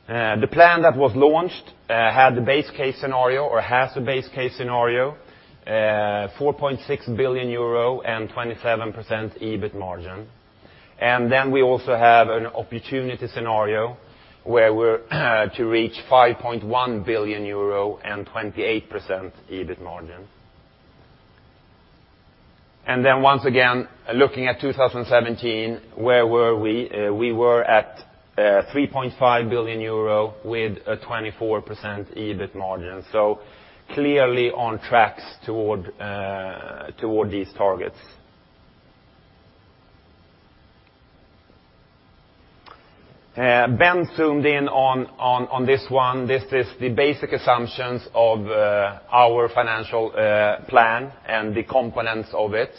The plan that was launched had the base case scenario or has the base case scenario, 4.6 billion euro and 27% EBIT margin. We also have an opportunity scenario where we are to reach 5.1 billion euro and 28% EBIT margin. Once again, looking at 2017, where were we? We were at 3.5 billion euro with a 24% EBIT margin. Clearly on track toward these targets. Ben zoomed in on this one. This is the basic assumptions of our financial plan and the components of it.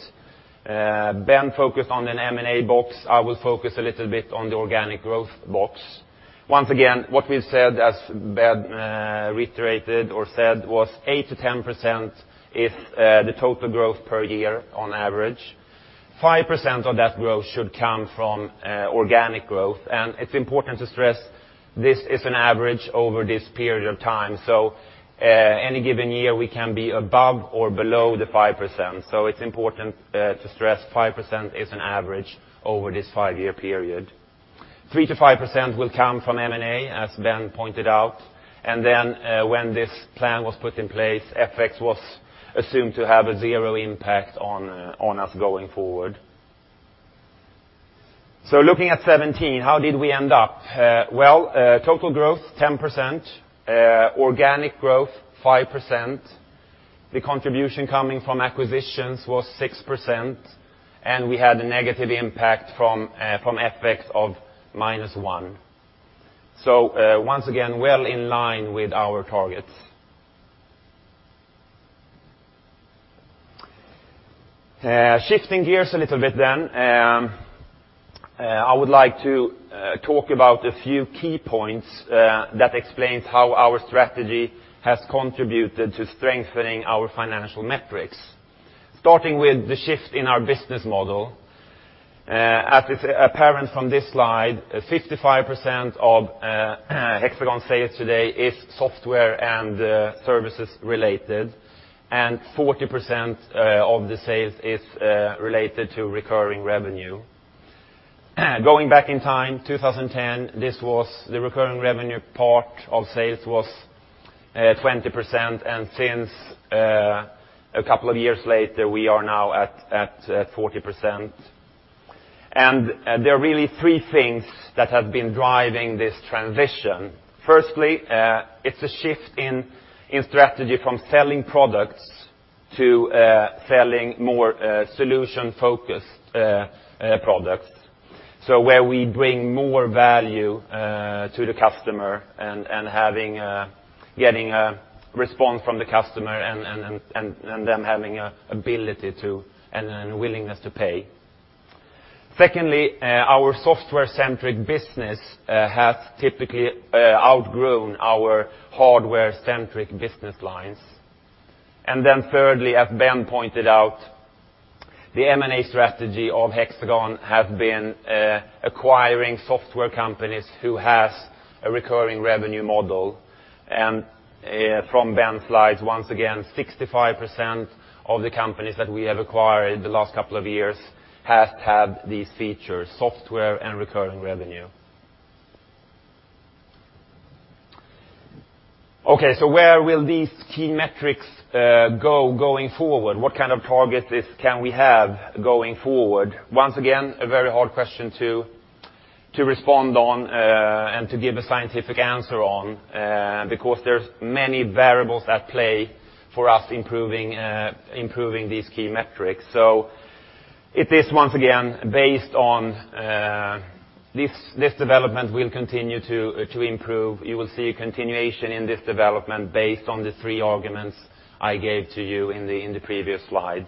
Ben focused on an M&A box. I will focus a little bit on the organic growth box. Once again, what we have said, as Ben reiterated or said, was 8%-10% is the total growth per year on average. 5% of that growth should come from organic growth. It is important to stress this is an average over this period of time. Any given year, we can be above or below the 5%. It is important to stress 5% is an average over this five-year period. 3%-5% will come from M&A, as Ben pointed out. When this plan was put in place, FX was assumed to have a zero impact on us going forward. Looking at 2017, how did we end up? Total growth 10%, organic growth 5%. The contribution coming from acquisitions was 6%, and we had a negative impact from FX of -1. Once again, well in line with our targets. Shifting gears a little bit, I would like to talk about a few key points that explains how our strategy has contributed to strengthening our financial metrics. Starting with the shift in our business model. As is apparent from this slide, 55% of Hexagon sales today is software and services related, and 40% of the sales is related to recurring revenue. Going back in time, 2010, the recurring revenue part of sales was 20%. Since a couple of years later, we are now at 40%. There are really three things that have been driving this transition. Firstly, it is a shift in strategy from selling products to selling more solution-focused products. Where we bring more value to the customer and getting a response from the customer and them having an ability and willingness to pay. Secondly, our software-centric business has typically outgrown our hardware-centric business lines. Thirdly, as Ben pointed out, the M&A strategy of Hexagon has been acquiring software companies who have a recurring revenue model. From Ben's slides, once again, 65% of the companies that we have acquired the last couple of years have had these features, software and recurring revenue. Okay. Where will these key metrics go going forward? What kind of targets can we have going forward? Once again, a very hard question to respond on and to give a scientific answer on, because there's many variables at play for us improving these key metrics. It is, once again, based on this development will continue to improve. You will see a continuation in this development based on the three arguments I gave to you in the previous slide.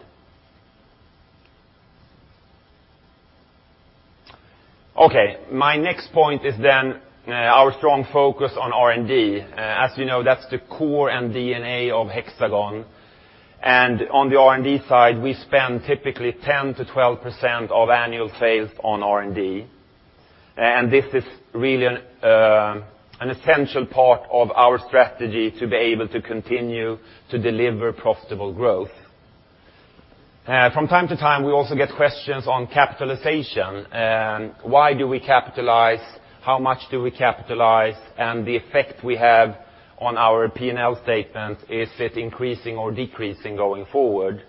Okay. My next point is then our strong focus on R&D. As you know, that's the core and DNA of Hexagon. On the R&D side, we spend typically 10%-12% of annual sales on R&D. This is really an essential part of our strategy to be able to continue to deliver profitable growth. From time to time, we also get questions on capitalization. Why do we capitalize? How much do we capitalize? The effect we have on our P&L statement, is it increasing or decreasing going forward?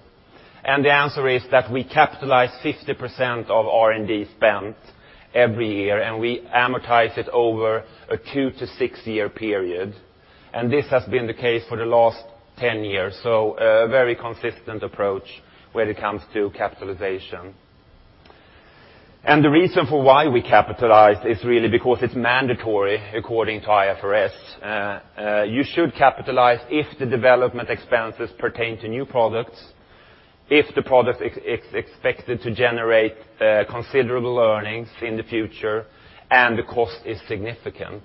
The answer is that we capitalize 50% of R&D spend every year, and we amortize it over a two to six-year period. This has been the case for the last 10 years. A very consistent approach when it comes to capitalization. The reason for why we capitalize is really because it's mandatory according to IFRS. You should capitalize if the development expenses pertain to new products, if the product is expected to generate considerable earnings in the future, and the cost is significant.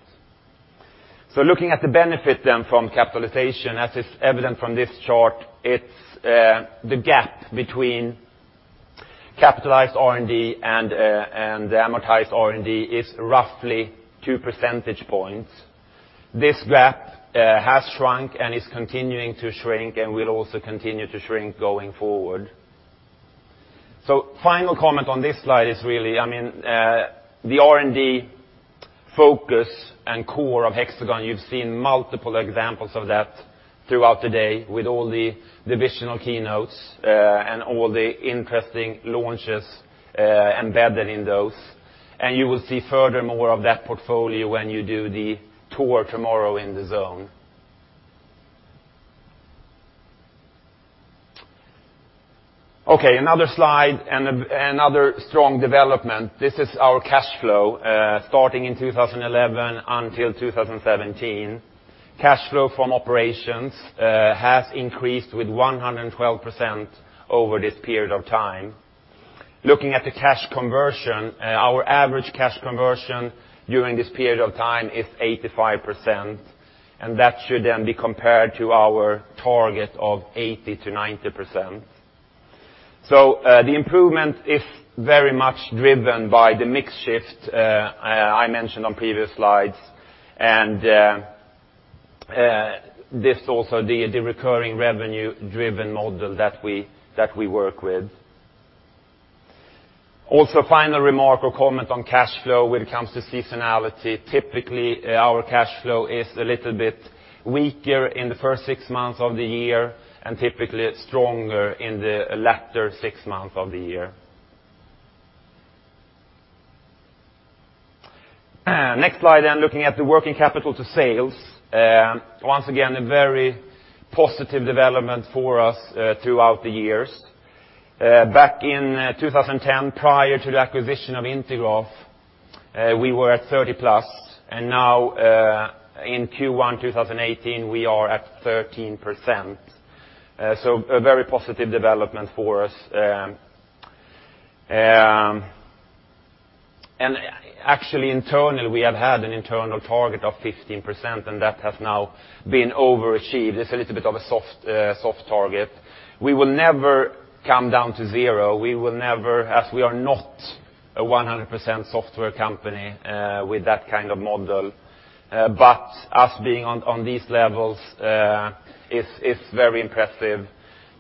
Looking at the benefit then from capitalization, as is evident from this chart, the gap between capitalized R&D and the amortized R&D is roughly two percentage points. This gap has shrunk and is continuing to shrink and will also continue to shrink going forward. Final comment on this slide is really, the R&D focus and core of Hexagon, you've seen multiple examples of that throughout the day with all the divisional keynotes, and all the interesting launches embedded in those. You will see furthermore of that portfolio when you do the tour tomorrow in the zone. Okay. Another slide and another strong development. This is our cash flow, starting in 2011 until 2017. Cash flow from operations has increased with 112% over this period of time. Looking at the cash conversion, our average cash conversion during this period of time is 85%. That should then be compared to our target of 80%-90%. The improvement is very much driven by the mix shift I mentioned on previous slides, this also the recurring revenue-driven model that we work with. Final remark or comment on cash flow when it comes to seasonality. Typically, our cash flow is a little bit weaker in the first six months of the year, and typically stronger in the latter six months of the year. Next slide, looking at the working capital to sales. Once again, a very positive development for us throughout the years. Back in 2010, prior to the acquisition of Intergraph, we were at 30-plus, and now in Q1 2018, we are at 13%. A very positive development for us. Actually internally, we have had an internal target of 15%, and that has now been overachieved. It is a little bit of a soft target. We will never come down to zero, as we are not a 100% software company with that kind of model. Us being on these levels is very impressive.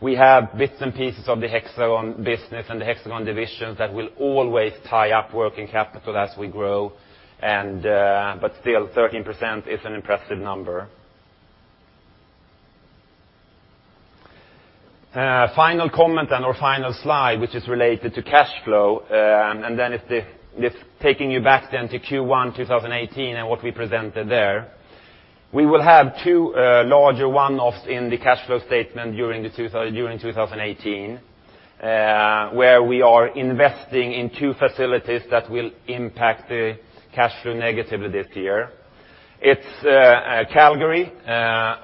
We have bits and pieces of the Hexagon business and the Hexagon divisions that will always tie up working capital as we grow. Still, 13% is an impressive number. Final comment and our final slide, which is related to cash flow. Taking you back then to Q1 2018 and what we presented there. We will have two larger one-offs in the cash flow statement during 2018, where we are investing in two facilities that will impact the cash flow negatively this year. It is Calgary,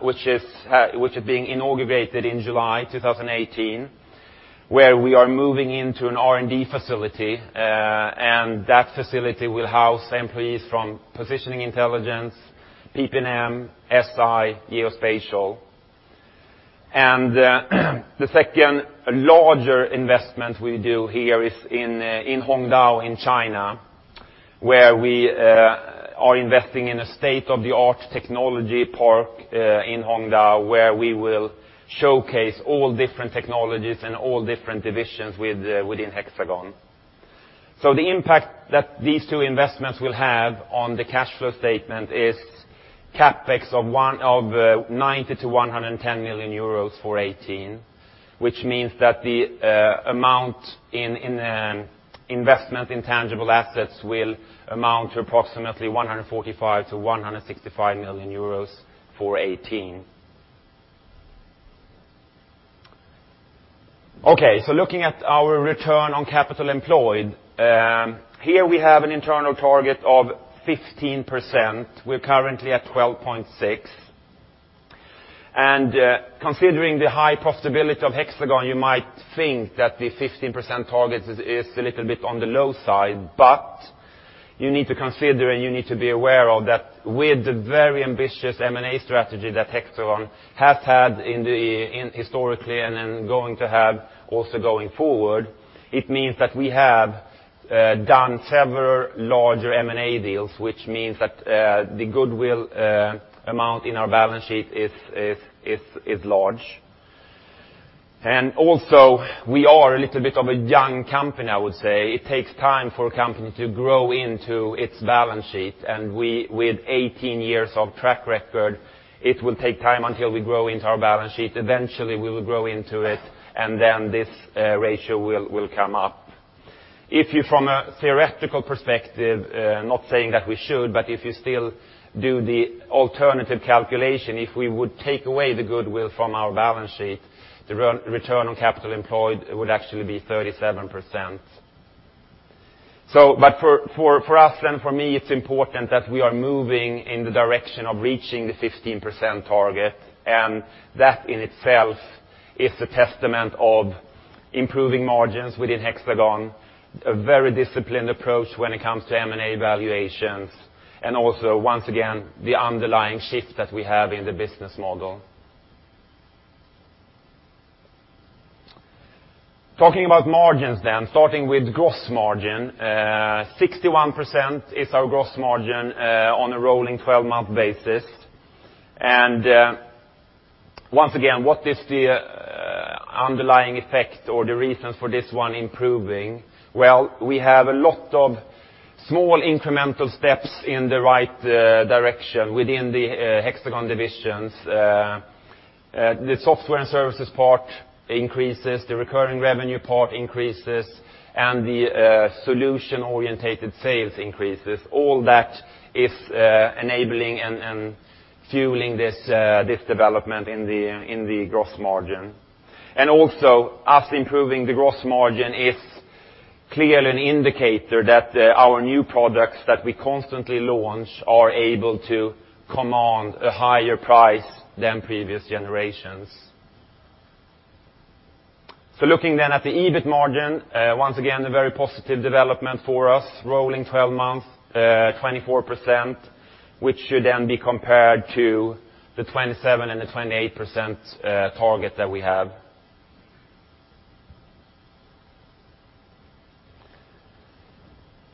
which is being inaugurated in July 2018, where we are moving into an R&D facility, and that facility will house employees from Positioning Intelligence, PP&M, SI, Geospatial. The second larger investment we do here is in Huangdao in China, where we are investing in a state-of-the-art technology park in Huangdao, where we will showcase all different technologies and all different divisions within Hexagon. The impact that these two investments will have on the cash flow statement is CapEx of 90 million-110 million euros for 2018, which means that the amount in investment in tangible assets will amount to approximately 145 million-165 million euros for 2018. Looking at our return on capital employed. Here we have an internal target of 15%. We are currently at 12.6. Considering the high profitability of Hexagon, you might think that the 15% target is a little bit on the low side, but you need to consider and you need to be aware of that with the very ambitious M&A strategy that Hexagon has had historically and is going to have also going forward, it means that we have done several larger M&A deals, which means that the goodwill amount in our balance sheet is large. Also, we are a little bit of a young company, I would say. It takes time for a company to grow into its balance sheet, and with 18 years of track record, it will take time until we grow into our balance sheet. Eventually, we will grow into it, and this ratio will come up. If you, from a theoretical perspective, not saying that we should, but if you still do the alternative calculation, if we would take away the goodwill from our balance sheet, the return on capital employed would actually be 37%. For us and for me, it is important that we are moving in the direction of reaching the 15% target, and that in itself is a testament of improving margins within Hexagon, a very disciplined approach when it comes to M&A valuations, and also, once again, the underlying shift that we have in the business model. Talking about margins, starting with gross margin. 61% is our gross margin on a rolling 12-month basis. Once again, what is the underlying effect or the reasons for this one improving? Well, we have a lot of small incremental steps in the right direction within the Hexagon divisions. The software and services part increases, the recurring revenue part increases, the solution-oriented sales increases. All that is enabling and fueling this development in the gross margin. Us improving the gross margin is clearly an indicator that our new products that we constantly launch are able to command a higher price than previous generations. Looking then at the EBIT margin, once again, a very positive development for us. Rolling 12 months, 24%, which should then be compared to the 27% and the 28% target that we have.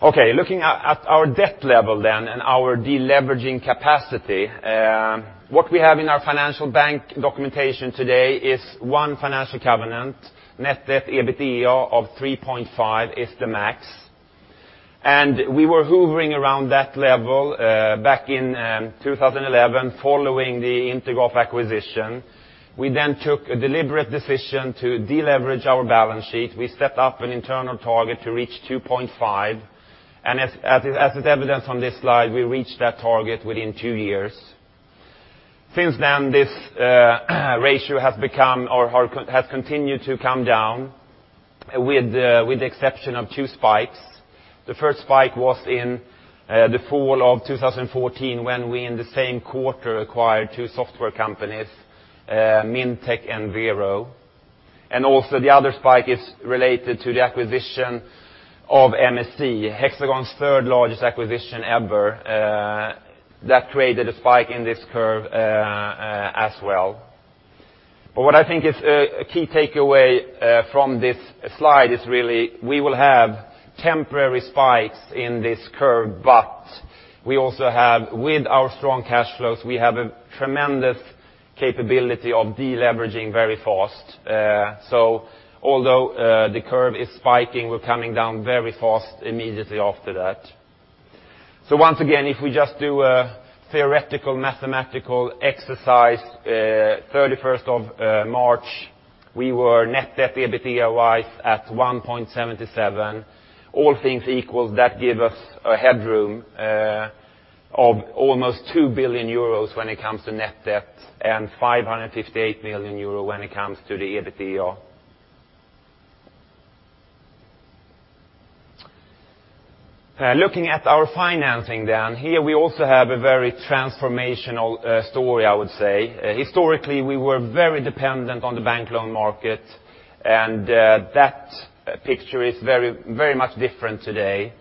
Looking at our debt level then and our deleveraging capacity. What we have in our financial bank documentation today is one financial covenant, net debt/EBITDA of 3.5 is the max. We were hoovering around that level back in 2011 following the Intergraph acquisition. We then took a deliberate decision to deleverage our balance sheet. We set up an internal target to reach 2.5, and as is evidenced on this slide, we reached that target within two years. Since then, this ratio has continued to come down, with the exception of two spikes. The first spike was in the fall of 2014, when we, in the same quarter, acquired two software companies, Mintec and Vero. The other spike is related to the acquisition of MSC, Hexagon's third largest acquisition ever. That created a spike in this curve as well. What I think is a key takeaway from this slide is really we will have temporary spikes in this curve, but with our strong cash flows, we have a tremendous capability of deleveraging very fast. Although the curve is spiking, we're coming down very fast immediately after that. Once again, if we just do a theoretical mathematical exercise, 31st of March, we were net debt to EBITDA-wise at 1.77. All things equal, that give us a headroom of almost 2 billion euros when it comes to net debt and 558 million euros when it comes to the EBITDA. Looking at our financing down here, we also have a very transformational story, I would say. Historically, we were very dependent on the bank loan market, and that picture is very much different today.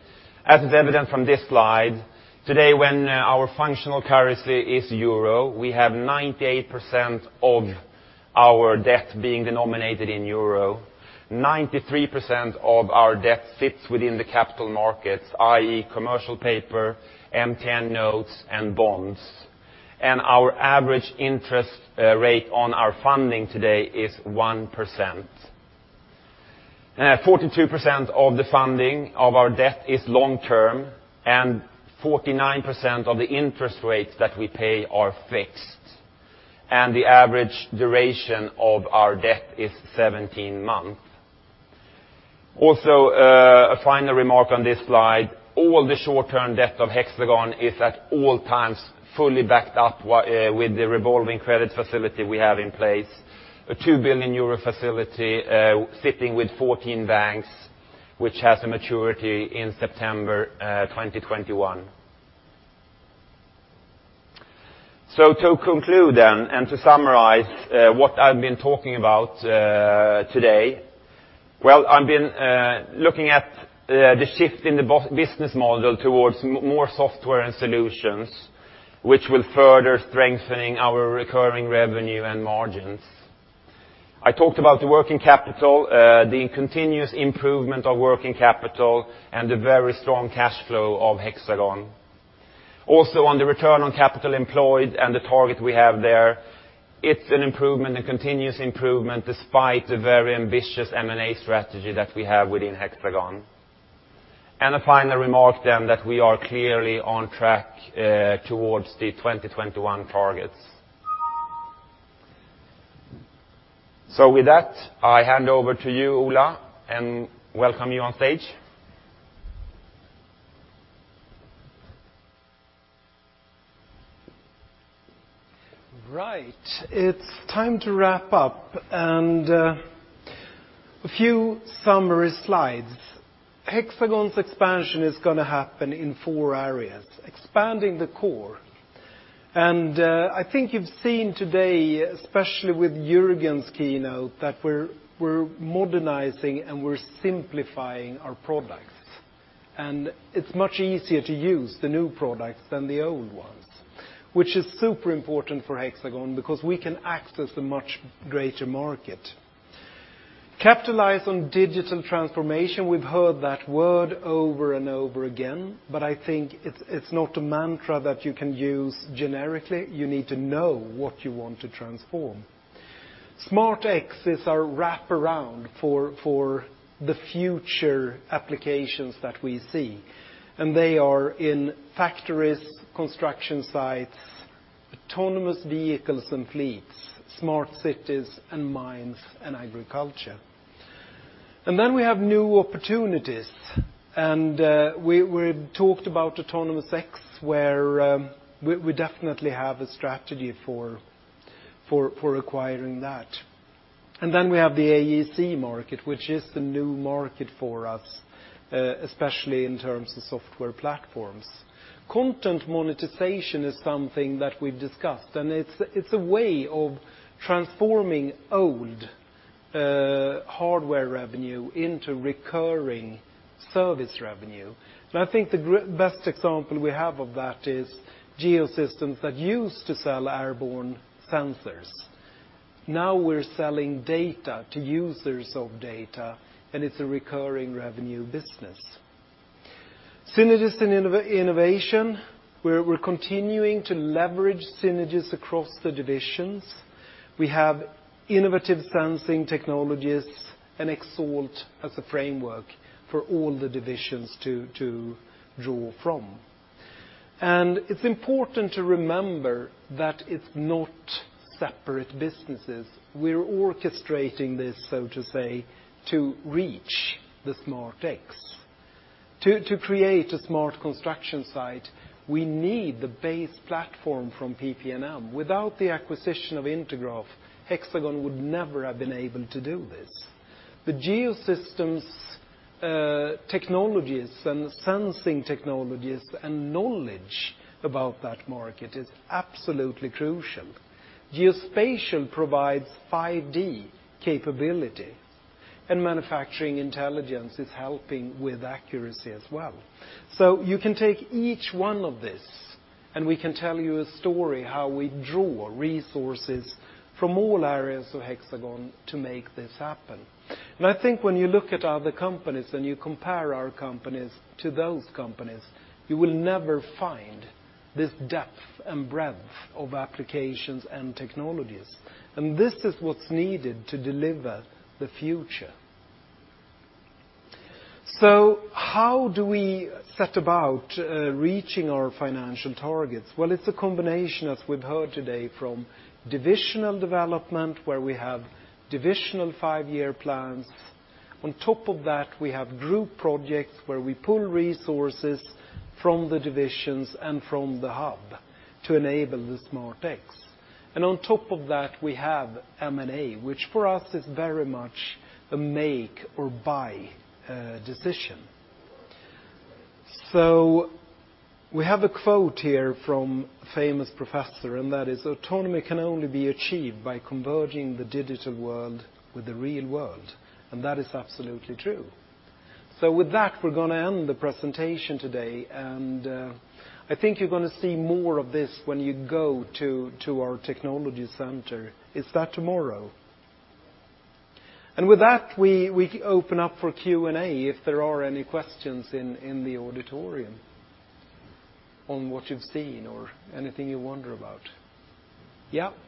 As is evident from this slide, today, when our functional currency is EUR, we have 98% of our debt being denominated in EUR, 93% of our debt sits within the capital markets, i.e., commercial paper, MTN notes, and bonds, and our average interest rate on our funding today is 1%. 42% of the funding of our debt is long-term, 49% of the interest rates that we pay are fixed, and the average duration of our debt is 17 months. Also, a final remark on this slide, all the short-term debt of Hexagon is at all times fully backed up with the revolving credit facility we have in place. A 2 billion euro facility sitting with 14 banks, which has a maturity in September 2021. To conclude then, and to summarize what I've been talking about today, well, I've been looking at the shift in the business model towards more software and solutions, which will further strengthening our recurring revenue and margins. I talked about the working capital, the continuous improvement of working capital, and the very strong cash flow of Hexagon. On the return on capital employed and the target we have there, it's an improvement, a continuous improvement, despite the very ambitious M&A strategy that we have within Hexagon. A final remark that we are clearly on track towards the 2021 targets. With that, I hand over to you, Ola, and welcome you on stage. Right. It's time to wrap up, and a few summary slides. Hexagon's expansion is going to happen in four areas, expanding the core. I think you've seen today, especially with Jörgen's keynote, that we're modernizing and we're simplifying our products, and it's much easier to use the new products than the old ones, which is super important for Hexagon because we can access a much greater market. Capitalize on digital transformation. We've heard that word over and over again, but I think it's not a mantra that you can use generically. You need to know what you want to transform. Smart X is our wraparound for the future applications that we see, and they are in factories, construction sites, autonomous vehicles and fleets, smart cities, and mines, and agriculture. We have new opportunities, and we talked about autonomous X, where we definitely have a strategy for acquiring that. We have the AEC market, which is the new market for us, especially in terms of software platforms. Content monetization is something that we've discussed, and it's a way of transforming old hardware revenue into recurring service revenue. I think the best example we have of that is Geosystems that used to sell airborne sensors. Now we're selling data to users of data, and it's a recurring revenue business. Synergies and innovation, we're continuing to leverage synergies across the divisions. We have innovative sensing technologies and Xalt as a framework for all the divisions to draw from. It's important to remember that it's not separate businesses. We're orchestrating this, so to say, to reach the Smart X. To create a smart construction site, we need the base platform from PP&M. Without the acquisition of Intergraph, Hexagon would never have been able to do this. The Geosystems technologies and sensing technologies and knowledge about that market is absolutely crucial. Geospatial provides 5D capability, and Manufacturing Intelligence is helping with accuracy as well. You can take each one of these, and we can tell you a story how we draw resources from all areas of Hexagon to make this happen. I think when you look at other companies and you compare our companies to those companies, you will never find this depth and breadth of applications and technologies, and this is what's needed to deliver the future. How do we set about reaching our financial targets? Well, it's a combination, as we've heard today, from divisional development, where we have divisional five-year plans. On top of that, we have group projects where we pull resources from the divisions and from the hub to enable the Smart X. On top of that, we have M&A, which for us is very much a make or buy decision. We have a quote here from a famous professor, and that is, "Autonomy can only be achieved by converging the digital world with the real world," and that is absolutely true. With that, we're going to end the presentation today, and I think you're going to see more of this when you go to our technology center. Is that tomorrow? With that, we open up for Q&A if there are any questions in the auditorium on what you've seen or anything you wonder about. Yeah. Yeah. I want to start this. There's two parts to the